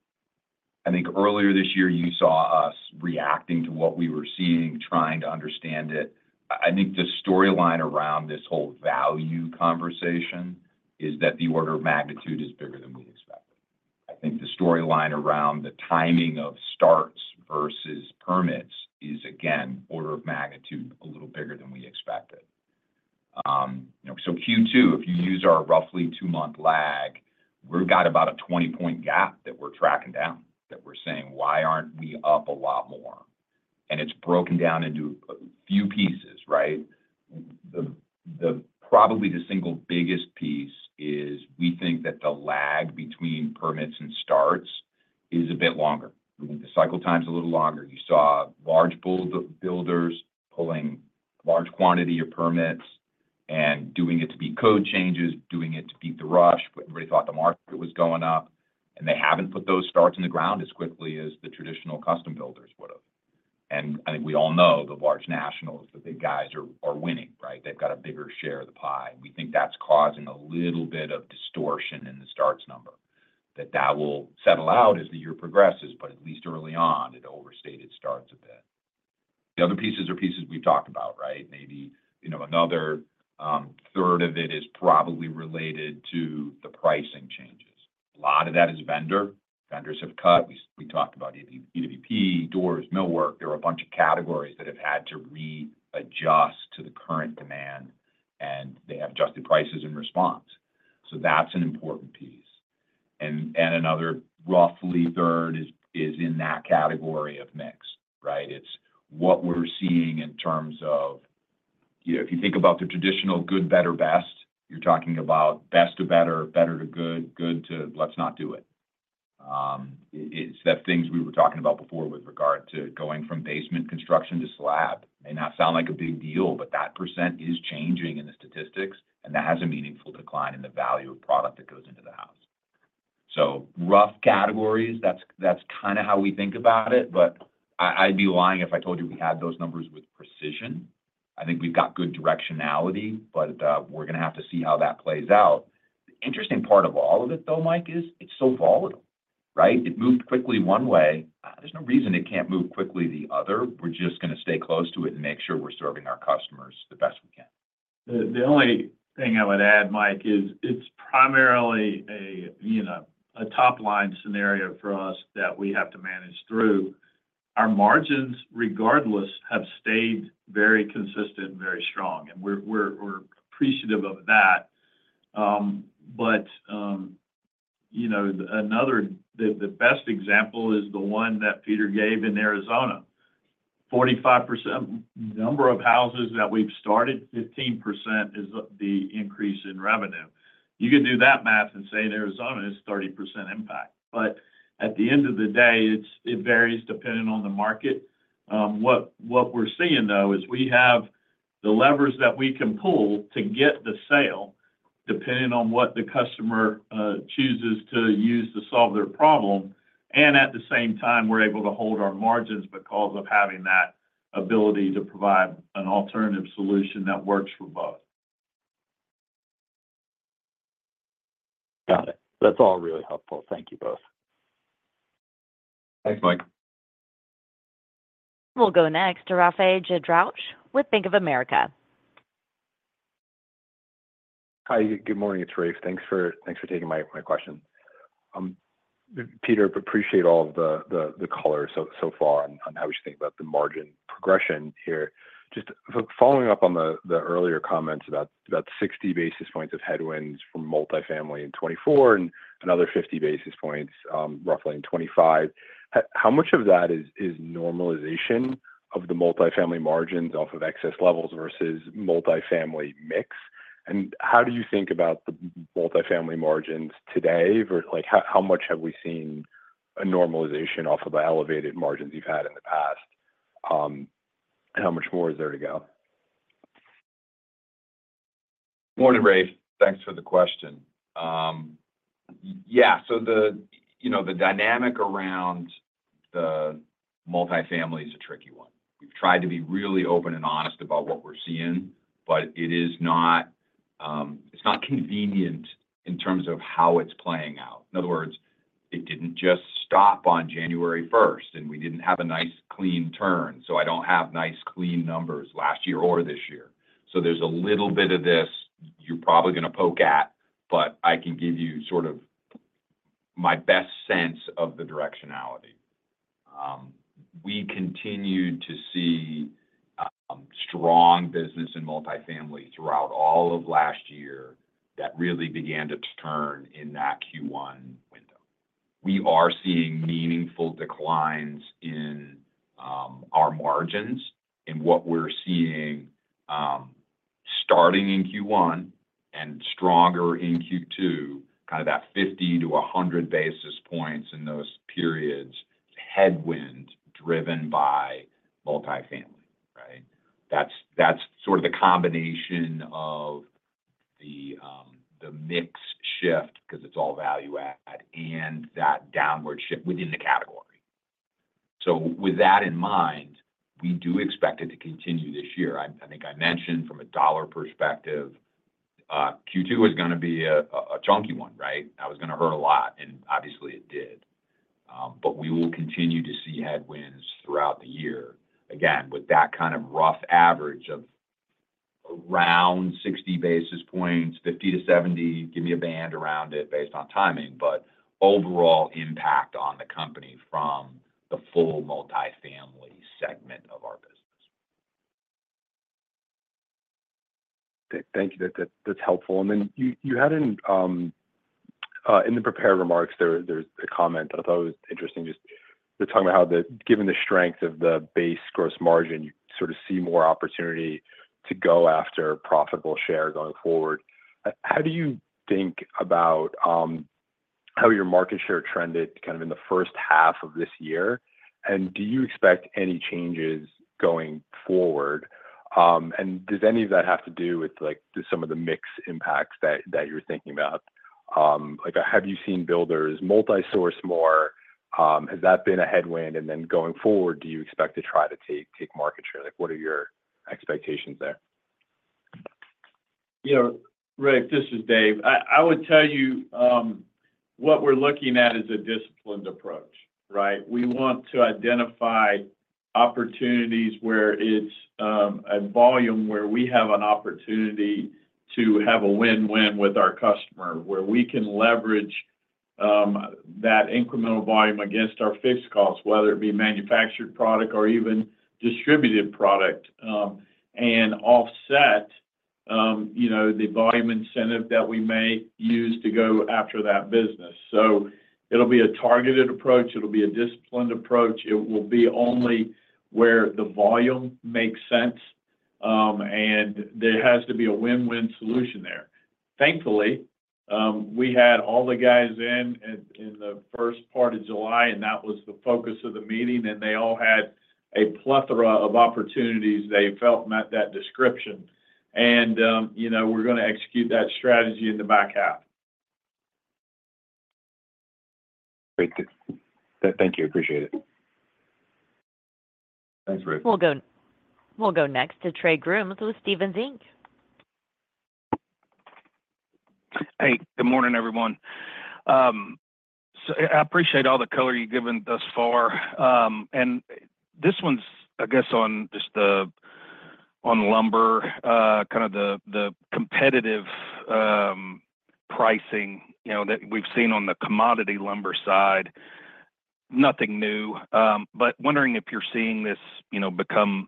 I think earlier this year, you saw us reacting to what we were seeing, trying to understand it. I think the storyline around this whole value conversation is that the order of magnitude is bigger than we expected. I think the storyline around the timing of starts versus permits is, again, order of magnitude a little bigger than we expected. You know, so Q2, if you use our roughly 2-month lag, we've got about a 20-point gap that we're tracking down, that we're saying: "Why aren't we up a lot more?" And it's broken down into a few pieces, right? The probably the single biggest piece is we think that the lag between permits and starts is a bit longer. We think the cycle time's a little longer. You saw large builders pulling large quantity of permits and doing it to beat code changes, doing it to beat the rush, but everybody thought the market was going up, and they haven't put those starts in the ground as quickly as the traditional custom builders would have. And I think we all know the large nationals, the big guys are winning, right? They've got a bigger share of the pie, and we think that's causing a little bit of distortion in the starts number. That will settle out as the year progresses, but at least early on, it overstated starts a bit. The other pieces are pieces we've talked about, right? Maybe, you know, another third of it is probably related to the pricing changes. A lot of that is vendor. Vendors have cut. We talked about EWP, doors, millwork. There are a bunch of categories that have had to readjust to the current demand, and they have adjusted prices in response. So that's an important piece. And another roughly third is in that category of mix, right? It's what we're seeing in terms of... You know, if you think about the traditional good, better, best, you're talking about best to better, better to good, good to let's not do it. It's the things we were talking about before with regard to going from basement construction to slab. May not sound like a big deal, but that percent is changing in the statistics, and that has a meaningful decline in the value of product that goes into the house. So rough categories, that's kind of how we think about it, but I'd be lying if I told you we had those numbers with precision. I think we've got good directionality, but we're going to have to see how that plays out. The interesting part of all of it, though, Mike, is it's so volatile, right? It moved quickly one way. There's no reason it can't move quickly the other. We're just going to stay close to it and make sure we're serving our customers the best we can. The only thing I would add, Mike, is it's primarily a, you know, a top-line scenario for us that we have to manage through. Our margins, regardless, have stayed very consistent and very strong, and we're appreciative of that. But, you know, another, the best example is the one that Peter gave in Arizona. 45% number of houses that we've started, 15% is the increase in revenue. You can do that math and say in Arizona, it's 30% impact. But at the end of the day, it varies depending on the market. What we're seeing, though, is we have the levers that we can pull to get the sale, depending on what the customer chooses to use to solve their problem, and at the same time, we're able to hold our margins because of having that ability to provide an alternative solution that works for both.... That's all really helpful. Thank you both. Thanks, Mike. We'll go next to Rafe Jadrosich with Bank of America. Hi, good morning, it's Rafe. Thanks for taking my question. Peter, appreciate all of the color so far on how we should think about the margin progression here. Just following up on the earlier comments about 60 basis points of headwinds from multifamily in 2024 and another 50 basis points, roughly, in 2025. How much of that is normalization of the multifamily margins off of excess levels versus multifamily mix? And how do you think about the multifamily margins today? Like, how much have we seen a normalization off of the elevated margins you've had in the past? And how much more is there to go? Morning, Rafe. Thanks for the question. Yeah, so the, you know, the dynamic around the multifamily is a tricky one. We've tried to be really open and honest about what we're seeing, but it is not, it's not convenient in terms of how it's playing out. In other words, it didn't just stop on January 1st, and we didn't have a nice, clean turn, so I don't have nice, clean numbers last year or this year. So there's a little bit of this you're probably gonna poke at, but I can give you sort of my best sense of the directionality. We continued to see strong business in multifamily throughout all of last year that really began to turn in that Q1 window. We are seeing meaningful declines in our margins, and what we're seeing starting in Q1 and stronger in Q2, kind of that 50-100 basis points in those periods, headwind driven by Multifamily, right? That's, that's sort of the combination of the mix shift, 'cause it's all value add, and that downward shift within the category. So with that in mind, we do expect it to continue this year. I think I mentioned from a dollar perspective, Q2 was gonna be a chunky one, right? That was gonna hurt a lot, and obviously it did. But we will continue to see headwinds throughout the year, again, with that kind of rough average of around 60 basis points, 50-70, give me a band around it based on timing, but overall impact on the company from the full multifamily segment of our business. Thank you. That's helpful. And then you had in the prepared remarks, there's a comment that I thought it was interesting, just talking about how given the strength of the base gross margin, you sort of see more opportunity to go after profitable share going forward. How do you think about how your market share trended kind of in the first half of this year? And do you expect any changes going forward? And does any of that have to do with, like, just some of the mix impacts that you're thinking about? Like, have you seen builders multi-source more? Has that been a headwind? And then going forward, do you expect to try to take market share? Like, what are your expectations there? You know, Rafe, this is Dave. I would tell you what we're looking at is a disciplined approach, right? We want to identify opportunities where it's a volume where we have an opportunity to have a win-win with our customer, where we can leverage that incremental volume against our fixed costs, whether it be manufactured product or even distributed product, and offset you know, the volume incentive that we may use to go after that business. So it'll be a targeted approach. It'll be a disciplined approach. It will be only where the volume makes sense, and there has to be a win-win solution there. Thankfully, we had all the guys in in the first part of July, and that was the focus of the meeting, and they all had a plethora of opportunities they felt met that description. You know, we're gonna execute that strategy in the back half. Great. Thank you. Appreciate it. Thanks, Rafe. We'll go next to Trey Grooms with Stephens Inc. Hey, good morning, everyone. So I appreciate all the color you've given thus far. And this one's, I guess, on just on lumber, kind of the competitive pricing, you know, that we've seen on the commodity lumber side. Nothing new, but wondering if you're seeing this, you know, become,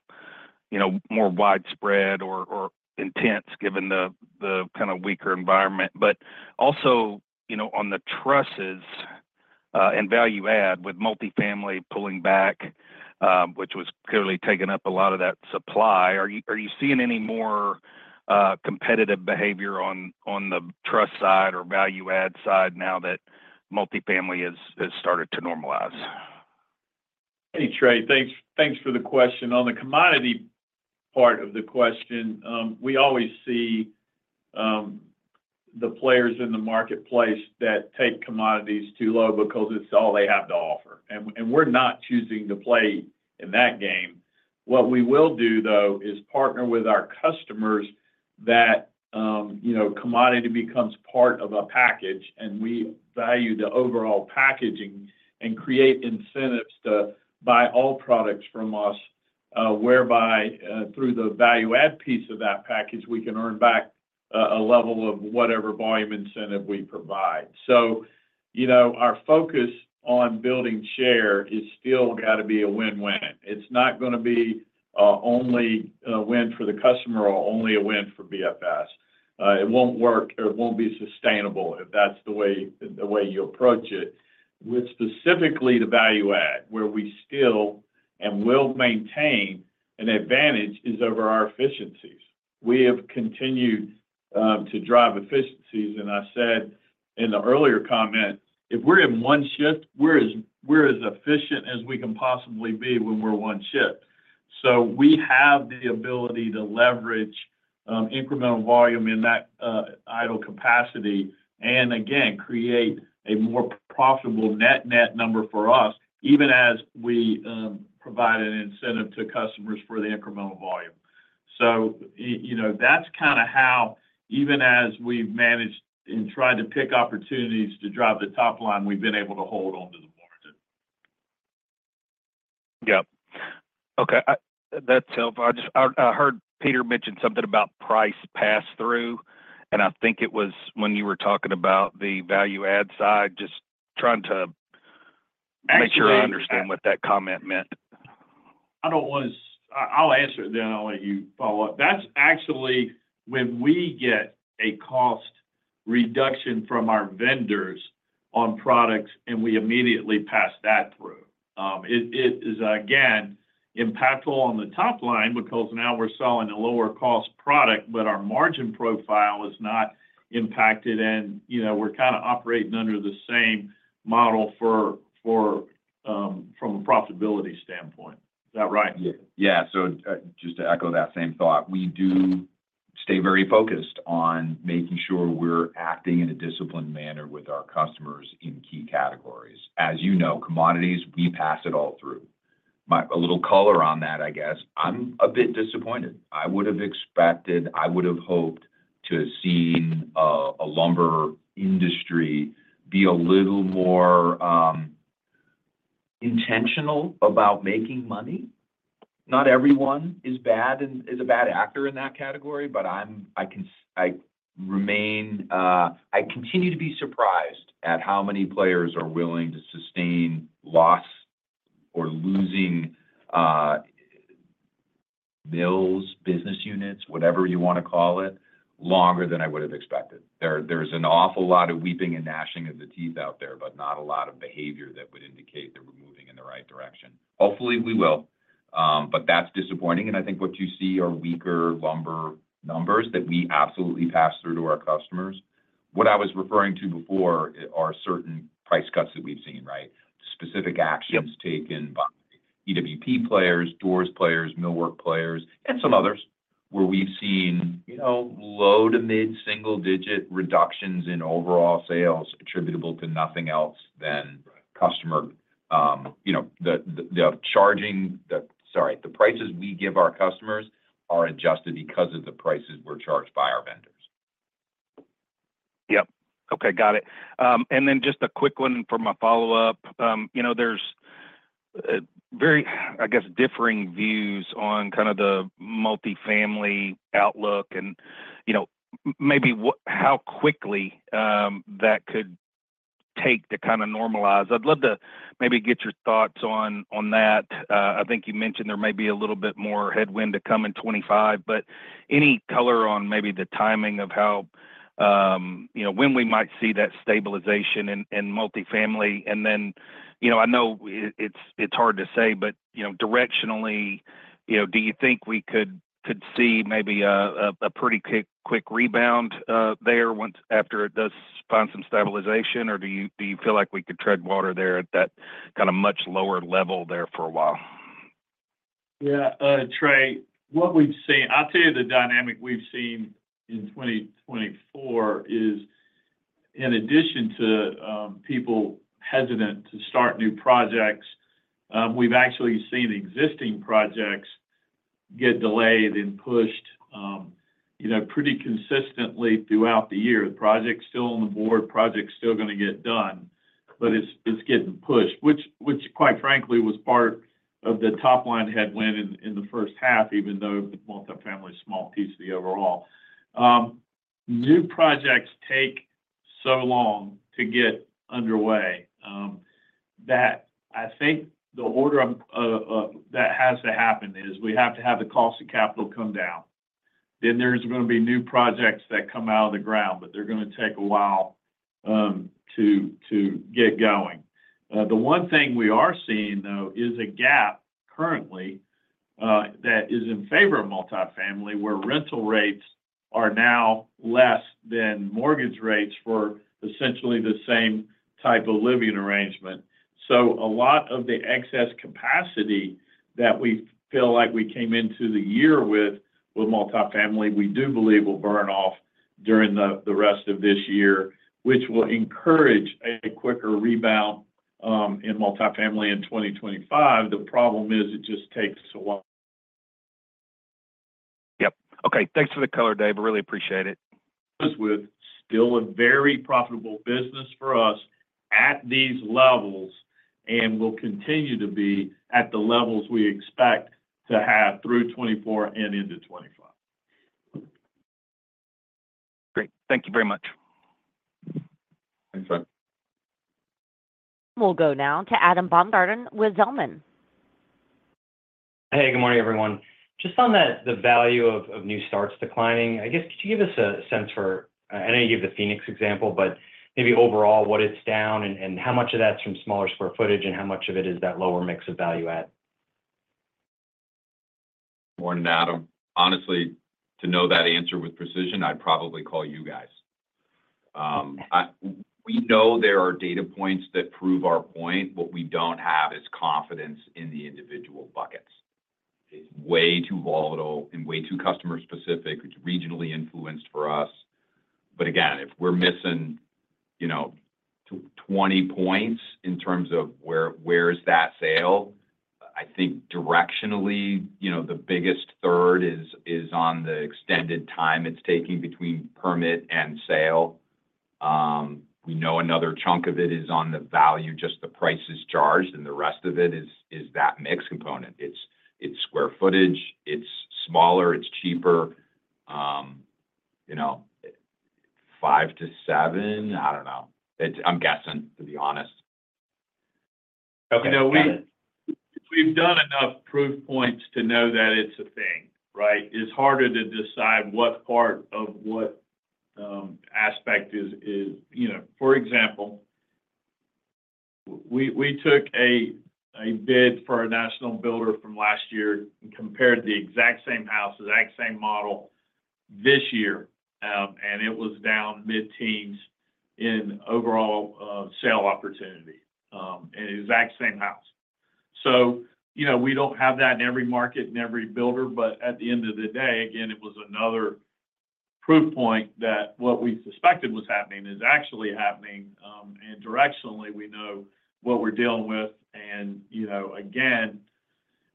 you know, more widespread or intense, given the kind of weaker environment. But also, you know, on the trusses and value add, with multifamily pulling back, which was clearly taking up a lot of that supply, are you seeing any more competitive behavior on the truss side or value add side now that multifamily has started to normalize? Hey, Trey, thanks, thanks for the question. On the commodity part of the question, we always see the players in the marketplace that take commodities too low because it's all they have to offer, and we're not choosing to play in that game. What we will do, though, is partner with our customers that, you know, commodity becomes part of a package, and we value the overall packaging and create incentives to buy all products from us, whereby, through the value add piece of that package, we can earn back a level of whatever volume incentive we provide. So, you know, our focus on building share is still got to be a win-win. It's not gonna be only a win for the customer or only a win for BFS. It won't work or it won't be sustainable if that's the way, the way you approach it. With specifically the value add, where we still and will maintain an advantage, is over our efficiencies. We have continued to drive efficiencies, and I said in the earlier comment, if we're in one shift, we're as, we're as efficient as we can possibly be when we're one shift. So we have the ability to leverage incremental volume in that idle capacity, and again, create a more profitable net, net number for us, even as we provide an incentive to customers for the incremental volume. So, you know, that's kind of how even as we've managed and tried to pick opportunities to drive the top line, we've been able to hold on to the margin. Yep. Okay, that's helpful. I just... I heard Peter mention something about price pass-through, and I think it was when you were talking about the value add side. Just trying to make sure- Actually- I understand what that comment meant. I don't want to... I'll answer it, then I'll let you follow up. That's actually when we get a cost reduction from our vendors on products, and we immediately pass that through. It is again impactful on the top line because now we're selling a lower cost product, but our margin profile is not impacted and, you know, we're kind of operating under the same model for from a profitability standpoint. Is that right? Yeah. Yeah. So just to echo that same thought, we do stay very focused on making sure we're acting in a disciplined manner with our customers in key categories. As you know, commodities, we pass it all through. A little color on that, I guess, I'm a bit disappointed. I would have expected, I would have hoped to have seen, a lumber industry be a little more intentional about making money. Not everyone is bad and is a bad actor in that category, but I remain, I continue to be surprised at how many players are willing to sustain loss or losing, mills, business units, whatever you want to call it, longer than I would have expected. There, there's an awful lot of weeping and gnashing of the teeth out there, but not a lot of behavior that would indicate that we're moving in the right direction. Hopefully, we will, but that's disappointing, and I think what you see are weaker lumber numbers that we absolutely pass through to our customers. What I was referring to before are certain price cuts that we've seen, right? Yep. Specific actions taken by EWP players, doors players, millwork players, and some others, where we've seen, you know, low to mid single digit reductions in overall sales attributable to nothing else than- Right... customer, you know, Sorry, the prices we give our customers are adjusted because of the prices we're charged by our vendors. Yep. Okay, got it. And then just a quick one for my follow-up. You know, there's very, I guess, differing views on kind of the multifamily outlook and, you know, maybe how quickly that could take to kind of normalize. I'd love to maybe get your thoughts on that. I think you mentioned there may be a little bit more headwind to come in 2025, but any color on maybe the timing of how, you know, when we might see that stabilization in multifamily? And then, you know, I know it's hard to say, but, you know, directionally, you know, do you think we could see maybe a pretty quick rebound there once after it does find some stabilization? Or do you, do you feel like we could tread water there at that kind of much lower level there for a while? Yeah, Trey, what we've seen—I'll tell you the dynamic we've seen in 2024 is in addition to people hesitant to start new projects, we've actually seen existing projects get delayed and pushed, you know, pretty consistently throughout the year. The project's still on the board, project's still gonna get done, but it's getting pushed, which, quite frankly, was part of the top line headwind in the first half, even though the multifamily is a small piece of the overall. New projects take so long to get underway that I think the order of that has to happen is we have to have the cost of capital come down. Then there's gonna be new projects that come out of the ground, but they're gonna take a while to get going. The one thing we are seeing, though, is a gap currently that is in favor of multifamily, where rental rates are now less than mortgage rates for essentially the same type of living arrangement. So a lot of the excess capacity that we feel like we came into the year with, with multifamily, we do believe will burn off during the rest of this year, which will encourage a quicker rebound in multifamily in 2025. The problem is it just takes so long. Yep. Okay, thanks for the color, Dave. I really appreciate it. This is still a very profitable business for us at these levels, and will continue to be at the levels we expect to have through 2024 and into 2025. Great. Thank you very much. Thanks, bud. We'll go now to Adam Baumgarten with Zelman. Hey, good morning, everyone. Just on the value of new starts declining, I guess, could you give us a sense for—I know you gave the Phoenix example, but maybe overall, what it's down and how much of that's from smaller square footage, and how much of it is that lower mix of value add? Morning, Adam. Honestly, to know that answer with precision, I'd probably call you guys. We know there are data points that prove our point, what we don't have is confidence in the individual buckets. It's way too volatile and way too customer specific, it's regionally influenced for us. But again, if we're missing, you know, 20 points in terms of where, where is that sale, I think directionally, you know, the biggest third is, is on the extended time it's taking between permit and sale. We know another chunk of it is on the value, just the prices charged, and the rest of it is, is that mix component. It's, it's square footage, it's smaller, it's cheaper, you know, 5-7? I don't know. It's. I'm guessing, to be honest. Okay, got it. We've done enough proof points to know that it's a thing, right? It's harder to decide what part of what aspect is... You know, for example, we took a bid for a national builder from last year and compared the exact same house, the exact same model this year, and it was down mid-teens in overall sale opportunity, and the exact same house. So, you know, we don't have that in every market and every builder, but at the end of the day, again, it was another proof point that what we suspected was happening is actually happening. And directionally, we know what we're dealing with. And, you know, again,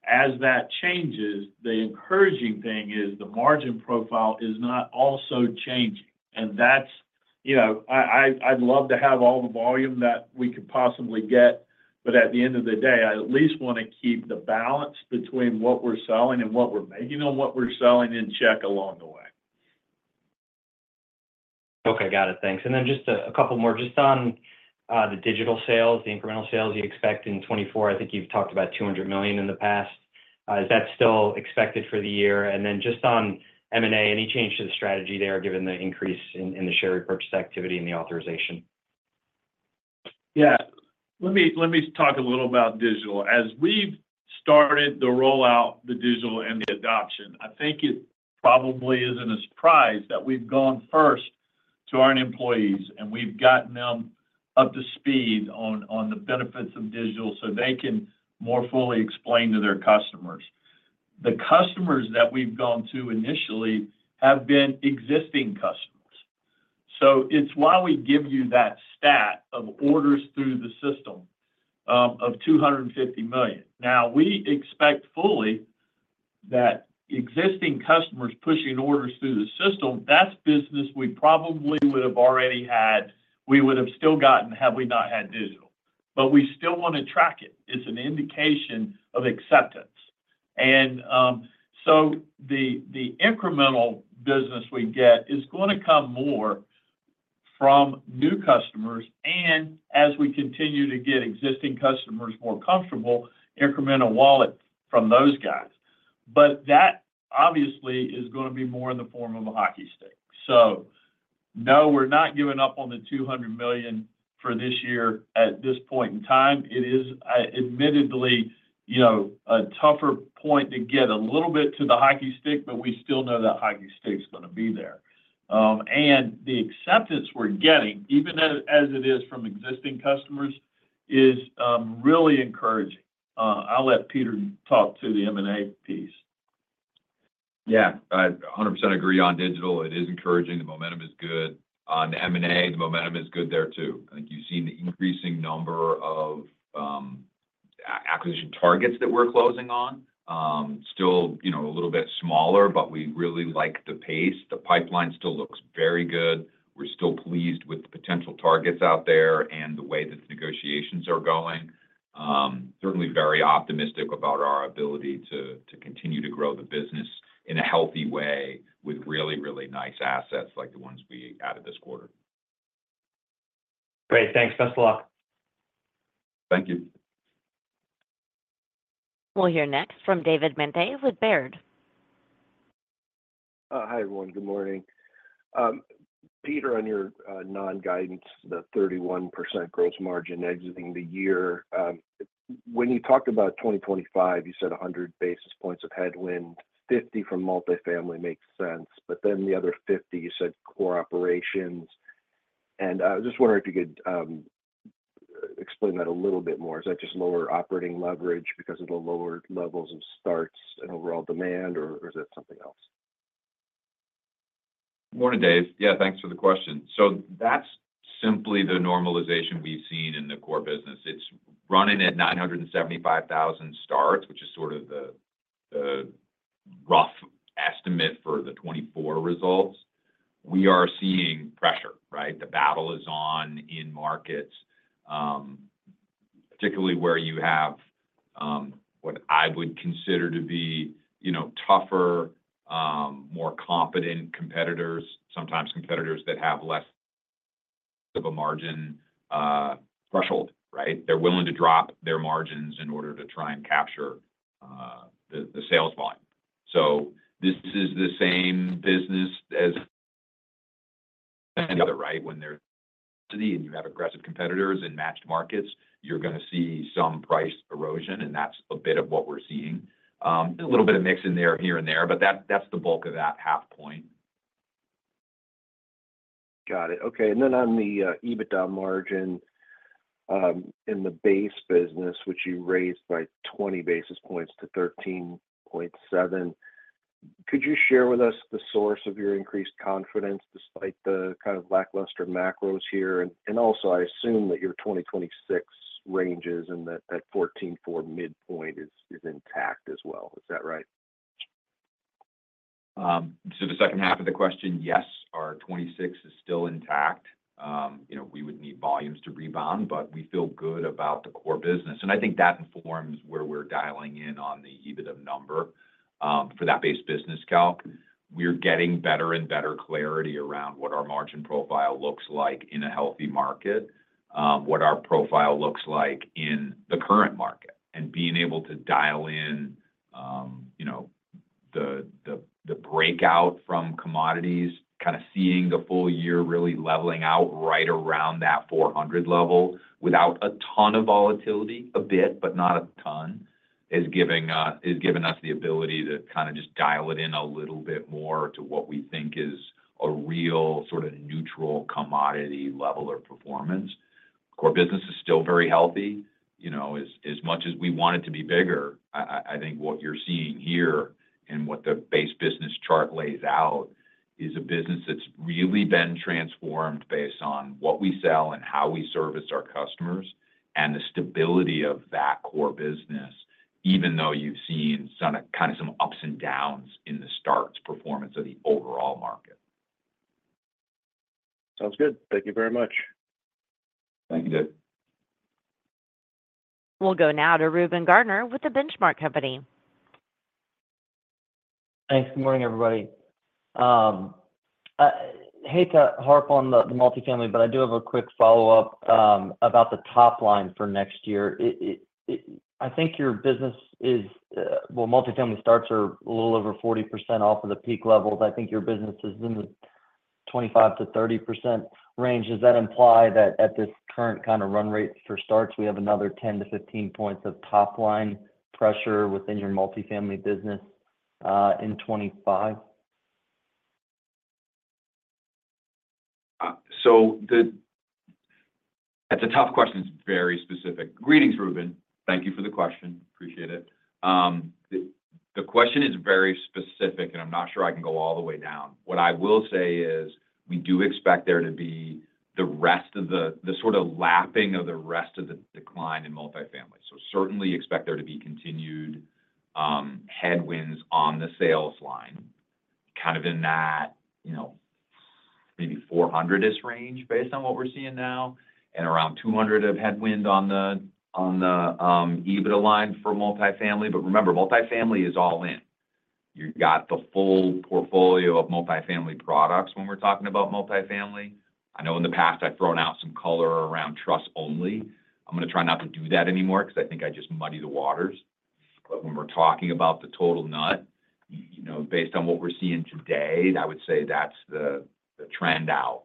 as that changes, the encouraging thing is the margin profile is not also changing. That's, you know, I'd love to have all the volume that we could possibly get, but at the end of the day, I at least want to keep the balance between what we're selling and what we're making, and what we're selling in check along the way. Okay, got it. Thanks. And then just a couple more. Just on the digital sales, the incremental sales you expect in 2024, I think you've talked about $200 million in the past. Is that still expected for the year? And then just on M&A, any change to the strategy there, given the increase in the share repurchase activity and the authorization? Yeah. Let me talk a little about digital. As we've started to roll out the digital and the adoption, I think it probably isn't a surprise that we've gone first to our own employees, and we've gotten them up to speed on the benefits of digital so they can more fully explain to their customers. The customers that we've gone to initially have been existing customers. So it's why we give you that stat of orders through the system of $250 million. Now, we expect fully that existing customers pushing orders through the system, that's business we probably would have already had, we would have still gotten had we not had digital. But we still want to track it. It's an indication of acceptance. So the incremental business we get is going to come more from new customers, and as we continue to get existing customers more comfortable, incremental wallet from those guys. But that, obviously, is going to be more in the form of a hockey stick. So no, we're not giving up on the $200 million for this year at this point in time. It is, admittedly, you know, a tougher point to get a little bit to the hockey stick, but we still know that hockey stick is going to be there. And the acceptance we're getting, even as it is from existing customers, is really encouraging. I'll let Peter talk to the M&A piece. Yeah. I 100% agree on digital. It is encouraging, the momentum is good. On the M&A, the momentum is good there, too. I think you've seen the increasing number of acquisition targets that we're closing on. Still, you know, a little bit smaller, but we really like the pace. The pipeline still looks very good. We're still pleased with the potential targets out there and the way that negotiations are going. Certainly very optimistic about our ability to continue to grow the business in a healthy way, with really, really nice assets like the ones we added this quarter. Great, thanks. Best of luck. Thank you. We'll hear next from David Manthey with Baird. Hi, everyone. Good morning. Peter, on your non-guidance, the 31% gross margin exiting the year, when you talked about 2025, you said 100 basis points of headwind, 50 from multifamily makes sense, but then the other 50, you said core operations. I was just wondering if you could explain that a little bit more? Is that just lower operating leverage because of the lower levels of starts and overall demand, or is that something else? Morning, Dave. Yeah, thanks for the question. So that's simply the normalization we've seen in the core business. It's running at 975,000 starts, which is sort of the rough estimate for the 2024 results. We are seeing pressure, right? The battle is on in markets, particularly where you have what I would consider to be, you know, tougher, more competent competitors, sometimes competitors that have less of a margin threshold, right? They're willing to drop their margins in order to try and capture the sales volume. So this is the same business as the other, right? When you have aggressive competitors in matched markets, you're gonna see some price erosion, and that's a bit of what we're seeing. A little bit of mix in there, here and there, but that's the bulk of that half point. Got it. Okay, and then on the EBITDA margin in the base business, which you raised by 20 basis points to 13.7, could you share with us the source of your increased confidence, despite the kind of lackluster macros here? And also, I assume that your 2026 ranges and that 14.4 midpoint is intact as well. Is that right? So the second half of the question, yes, our 2026 is still intact. You know, we would need volumes to rebound, but we feel good about the core business, and I think that informs where we're dialing in on the EBITDA number. For that base business calc, we're getting better and better clarity around what our margin profile looks like in a healthy market, what our profile looks like in the current market, and being able to dial in, you know, the breakout from commodities. Kinda seeing the full year really leveling out right around that $400 level without a ton of volatility. A bit, but not a ton, is giving us the ability to kinda just dial it in a little bit more to what we think is a real, sort of neutral commodity level of performance. Core business is still very healthy. You know, as much as we want it to be bigger, I think what you're seeing here and what the Base Business chart lays out, is a business that's really been transformed based on what we sell and how we service our customers, and the stability of that core business, even though you've seen some kind of ups and downs in the starts performance of the overall market. Sounds good. Thank you very much. Thank you, Dave. We'll go now to Reuben Garner with The Benchmark Company. Thanks. Good morning, everybody. I hate to harp on the multifamily, but I do have a quick follow-up about the top line for next year. I think your business is... Well, multifamily starts are a little over 40% off of the peak levels. I think your business is in the 25%-30% range. Does that imply that at this current kind of run rate for starts, we have another 10-15 points of top line pressure within your multifamily business in 2025? So that's a tough question. It's very specific. Greetings, Reuben. Thank you for the question. Appreciate it. The question is very specific, and I'm not sure I can go all the way down. What I will say is, we do expect there to be the rest of the sort of lapping of the rest of the decline in multifamily. So certainly expect there to be continued headwinds on the sales line, kind of in that, you know, maybe $400ish range, based on what we're seeing now, and around $200 of headwind on the EBITDA line for multifamily. But remember, multifamily is all in. You've got the full portfolio of multifamily products when we're talking about multifamily. I know in the past I've thrown out some color around truss only. I'm gonna try not to do that anymore 'cause I think I just muddy the waters. But when we're talking about the total nut, you know, based on what we're seeing today, I would say that's the, the trend out.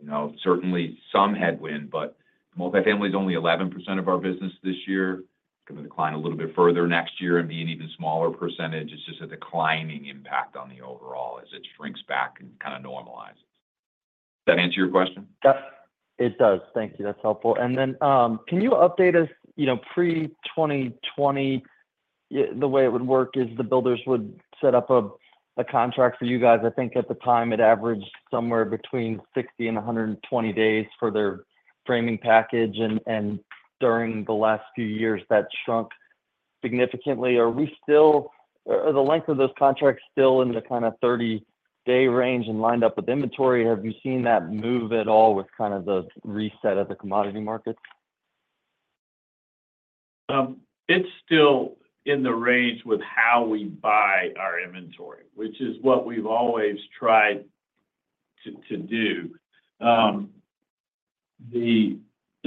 You know, certainly some headwind, but Multifamily is only 11% of our business this year. Gonna decline a little bit further next year and be an even smaller percentage. It's just a declining impact on the overall as it shrinks back and kinda normalizes. Does that answer your question? Yep, it does. Thank you. That's helpful. And then, can you update us, you know, pre-2020, the way it would work is the builders would set up a contract for you guys. I think at the time it averaged somewhere between 60 and 120 days for their framing package, and during the last few years, that shrunk significantly. Are we still... Are the length of those contracts still in the kinda 30-day range and lined up with inventory, or have you seen that move at all with kind of the reset of the commodity markets? It's still in the range with how we buy our inventory, which is what we've always tried to do. As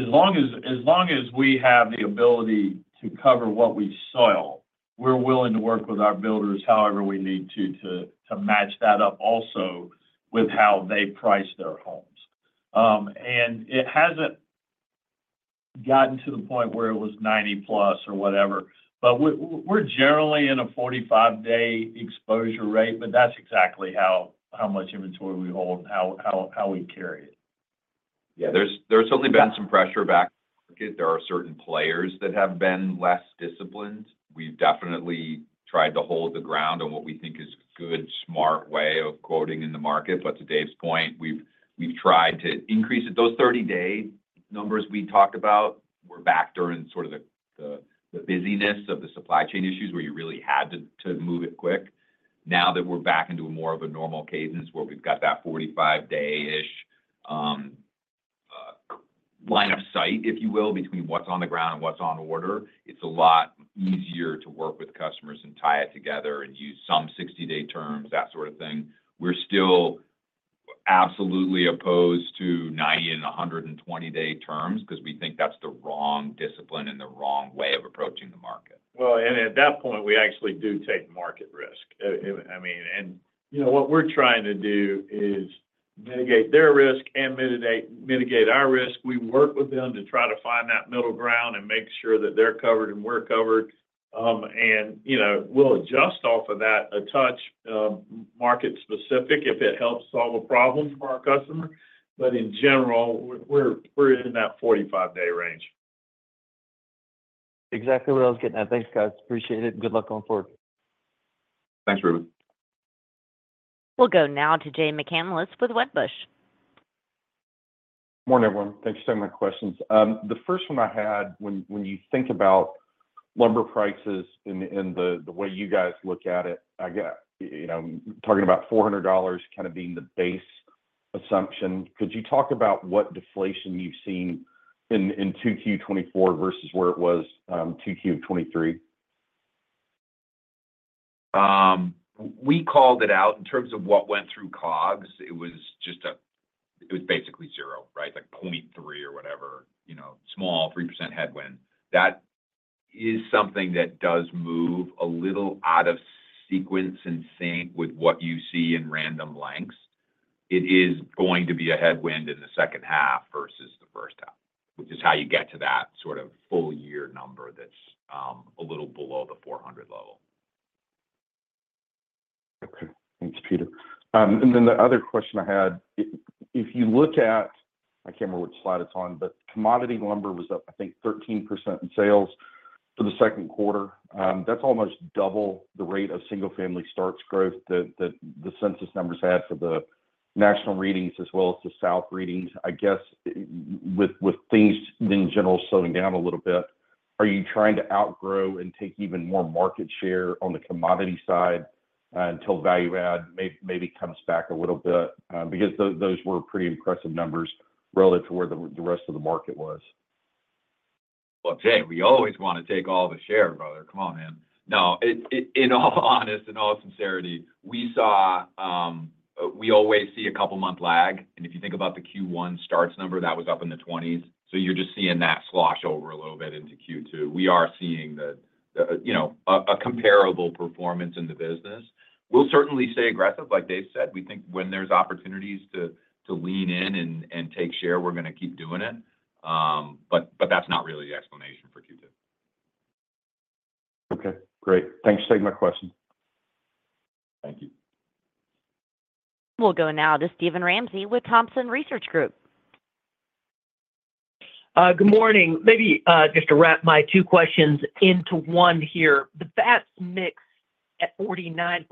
long as we have the ability to cover what we sell, we're willing to work with our builders however we need to match that up also with how they price their homes. And it hasn't gotten to the point where it was 90+ or whatever, but we're generally in a 45-day exposure rate, but that's exactly how much inventory we hold and how we carry it. Yeah, there's certainly been some pressure back in the market. There are certain players that have been less disciplined. We've definitely tried to hold the ground on what we think is a good, smart way of quoting in the market. But to Dave's point, we've tried to increase it. Those 30-day numbers we talked about were back during sort of the busyness of the supply chain issues, where you really had to move it quick. Now that we're back into a more normal cadence, where we've got that 45-day-ish line of sight, if you will, between what's on the ground and what's on order, it's a lot easier to work with customers and tie it together and use some 60-day terms, that sort of thing. We're still absolutely opposed to 90 and 120-day terms, because we think that's the wrong discipline and the wrong way of approaching the market. Well, at that point, we actually do take market risk. I mean, and, you know, what we're trying to do is mitigate their risk and mitigate our risk. We work with them to try to find that middle ground and make sure that they're covered and we're covered. And, you know, we'll adjust off of that a touch, market-specific if it helps solve a problem for our customer. But in general, we're in that 45-day range. Exactly where I was getting at. Thanks, guys. Appreciate it, and good luck going forward. Thanks, Reuben. We'll go now to Jay McCanless with Wedbush. Morning, everyone. Thanks for taking my questions. The first one I had, when, when you think about lumber prices and, and the, the way you guys look at it, I get- you know, talking about $400 kind of being the base assumption. Could you talk about what deflation you've seen in, in 2Q 2024 versus where it was, 2Q of 2023? We called it out. In terms of what went through COGS, it was just basically zero, right? Like 0.3 or whatever, you know, small 3% headwind. That is something that does move a little out of sequence in sync with what you see in random lengths. It is going to be a headwind in the second half versus the first half, which is how you get to that sort of full year number that's a little below the $400 level. Okay. Thanks, Peter. And then the other question I had, if you look at... I can't remember which slide it's on, but commodity lumber was up, I think, 13% in sales for the second quarter. That's almost double the rate of single-family starts growth that the census numbers had for the national readings as well as the South readings. I guess, with things in general slowing down a little bit, are you trying to outgrow and take even more market share on the commodity side, until value add maybe comes back a little bit? Because those were pretty impressive numbers relative to where the rest of the market was. Well, Jay, we always want to take all the share, brother. Come on, man. No, in all honesty, in all sincerity, we saw—we always see a couple month lag, and if you think about the Q1 starts number, that was up in the 20s, so you're just seeing that slosh over a little bit into Q2. We are seeing, you know, a comparable performance in the business. We'll certainly stay aggressive, like Dave said. We think when there's opportunities to lean in and take share, we're gonna keep doing it. But that's not really the explanation for Q2. Okay, great. Thanks for taking my question. Thank you. We'll go now to Steven Ramsey with Thompson Research Group. Good morning. Maybe, just to wrap my two questions into one here, the VAPS mix at 49%,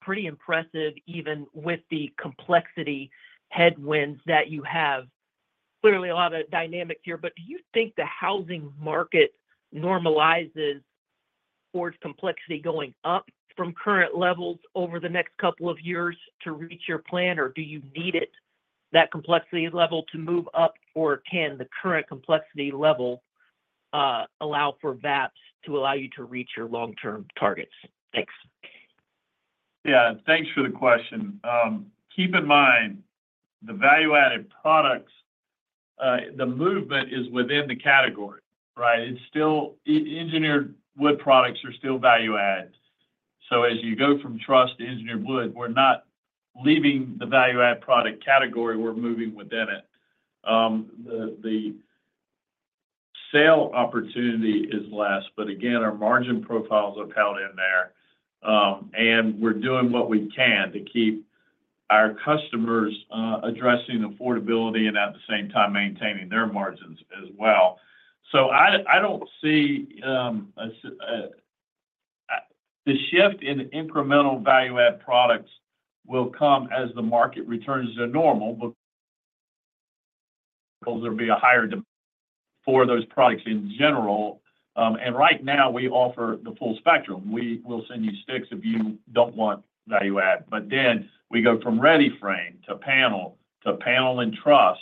pretty impressive, even with the complexity headwinds that you have. Clearly, a lot of dynamics here, but do you think the housing market normalizes towards complexity going up from current levels over the next couple of years to reach your plan, or do you need it, that complexity level, to move up? Or can the current complexity level, allow for VAPS to allow you to reach your long-term targets? Thanks. Yeah, thanks for the question. Keep in mind, the value-added products, the movement is within the category, right? It's still engineered wood products are still value-added. So as you go from truss to engineered wood, we're not leaving the value-add product category, we're moving within it. The sales opportunity is less, but again, our margin profiles are held in there. And we're doing what we can to keep our customers addressing affordability and at the same time maintaining their margins as well. So I don't see the shift in incremental value-add products will come as the market returns to normal, but there will be a higher demand for those products in general. And right now we offer the full spectrum. We will send you sticks if you don't want value add, but then we go from READY-FRAME to panel, to panel and truss,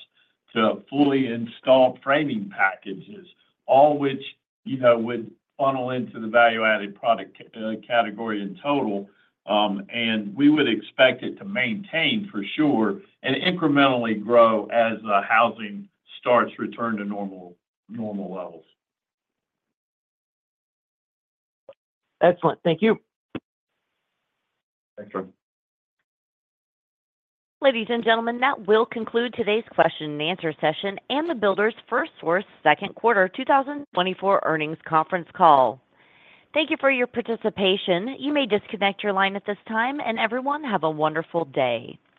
to fully installed framing packages, all which, you know, would funnel into the value-added product category in total. And we would expect it to maintain for sure, and incrementally grow as the housing starts return to normal, normal levels. Excellent. Thank you. Thank. Ladies and gentlemen, that will conclude today's question and answer session and the Builders FirstSource second quarter 2024 earnings conference call. Thank you for your participation. You may disconnect your line at this time, and everyone, have a wonderful day.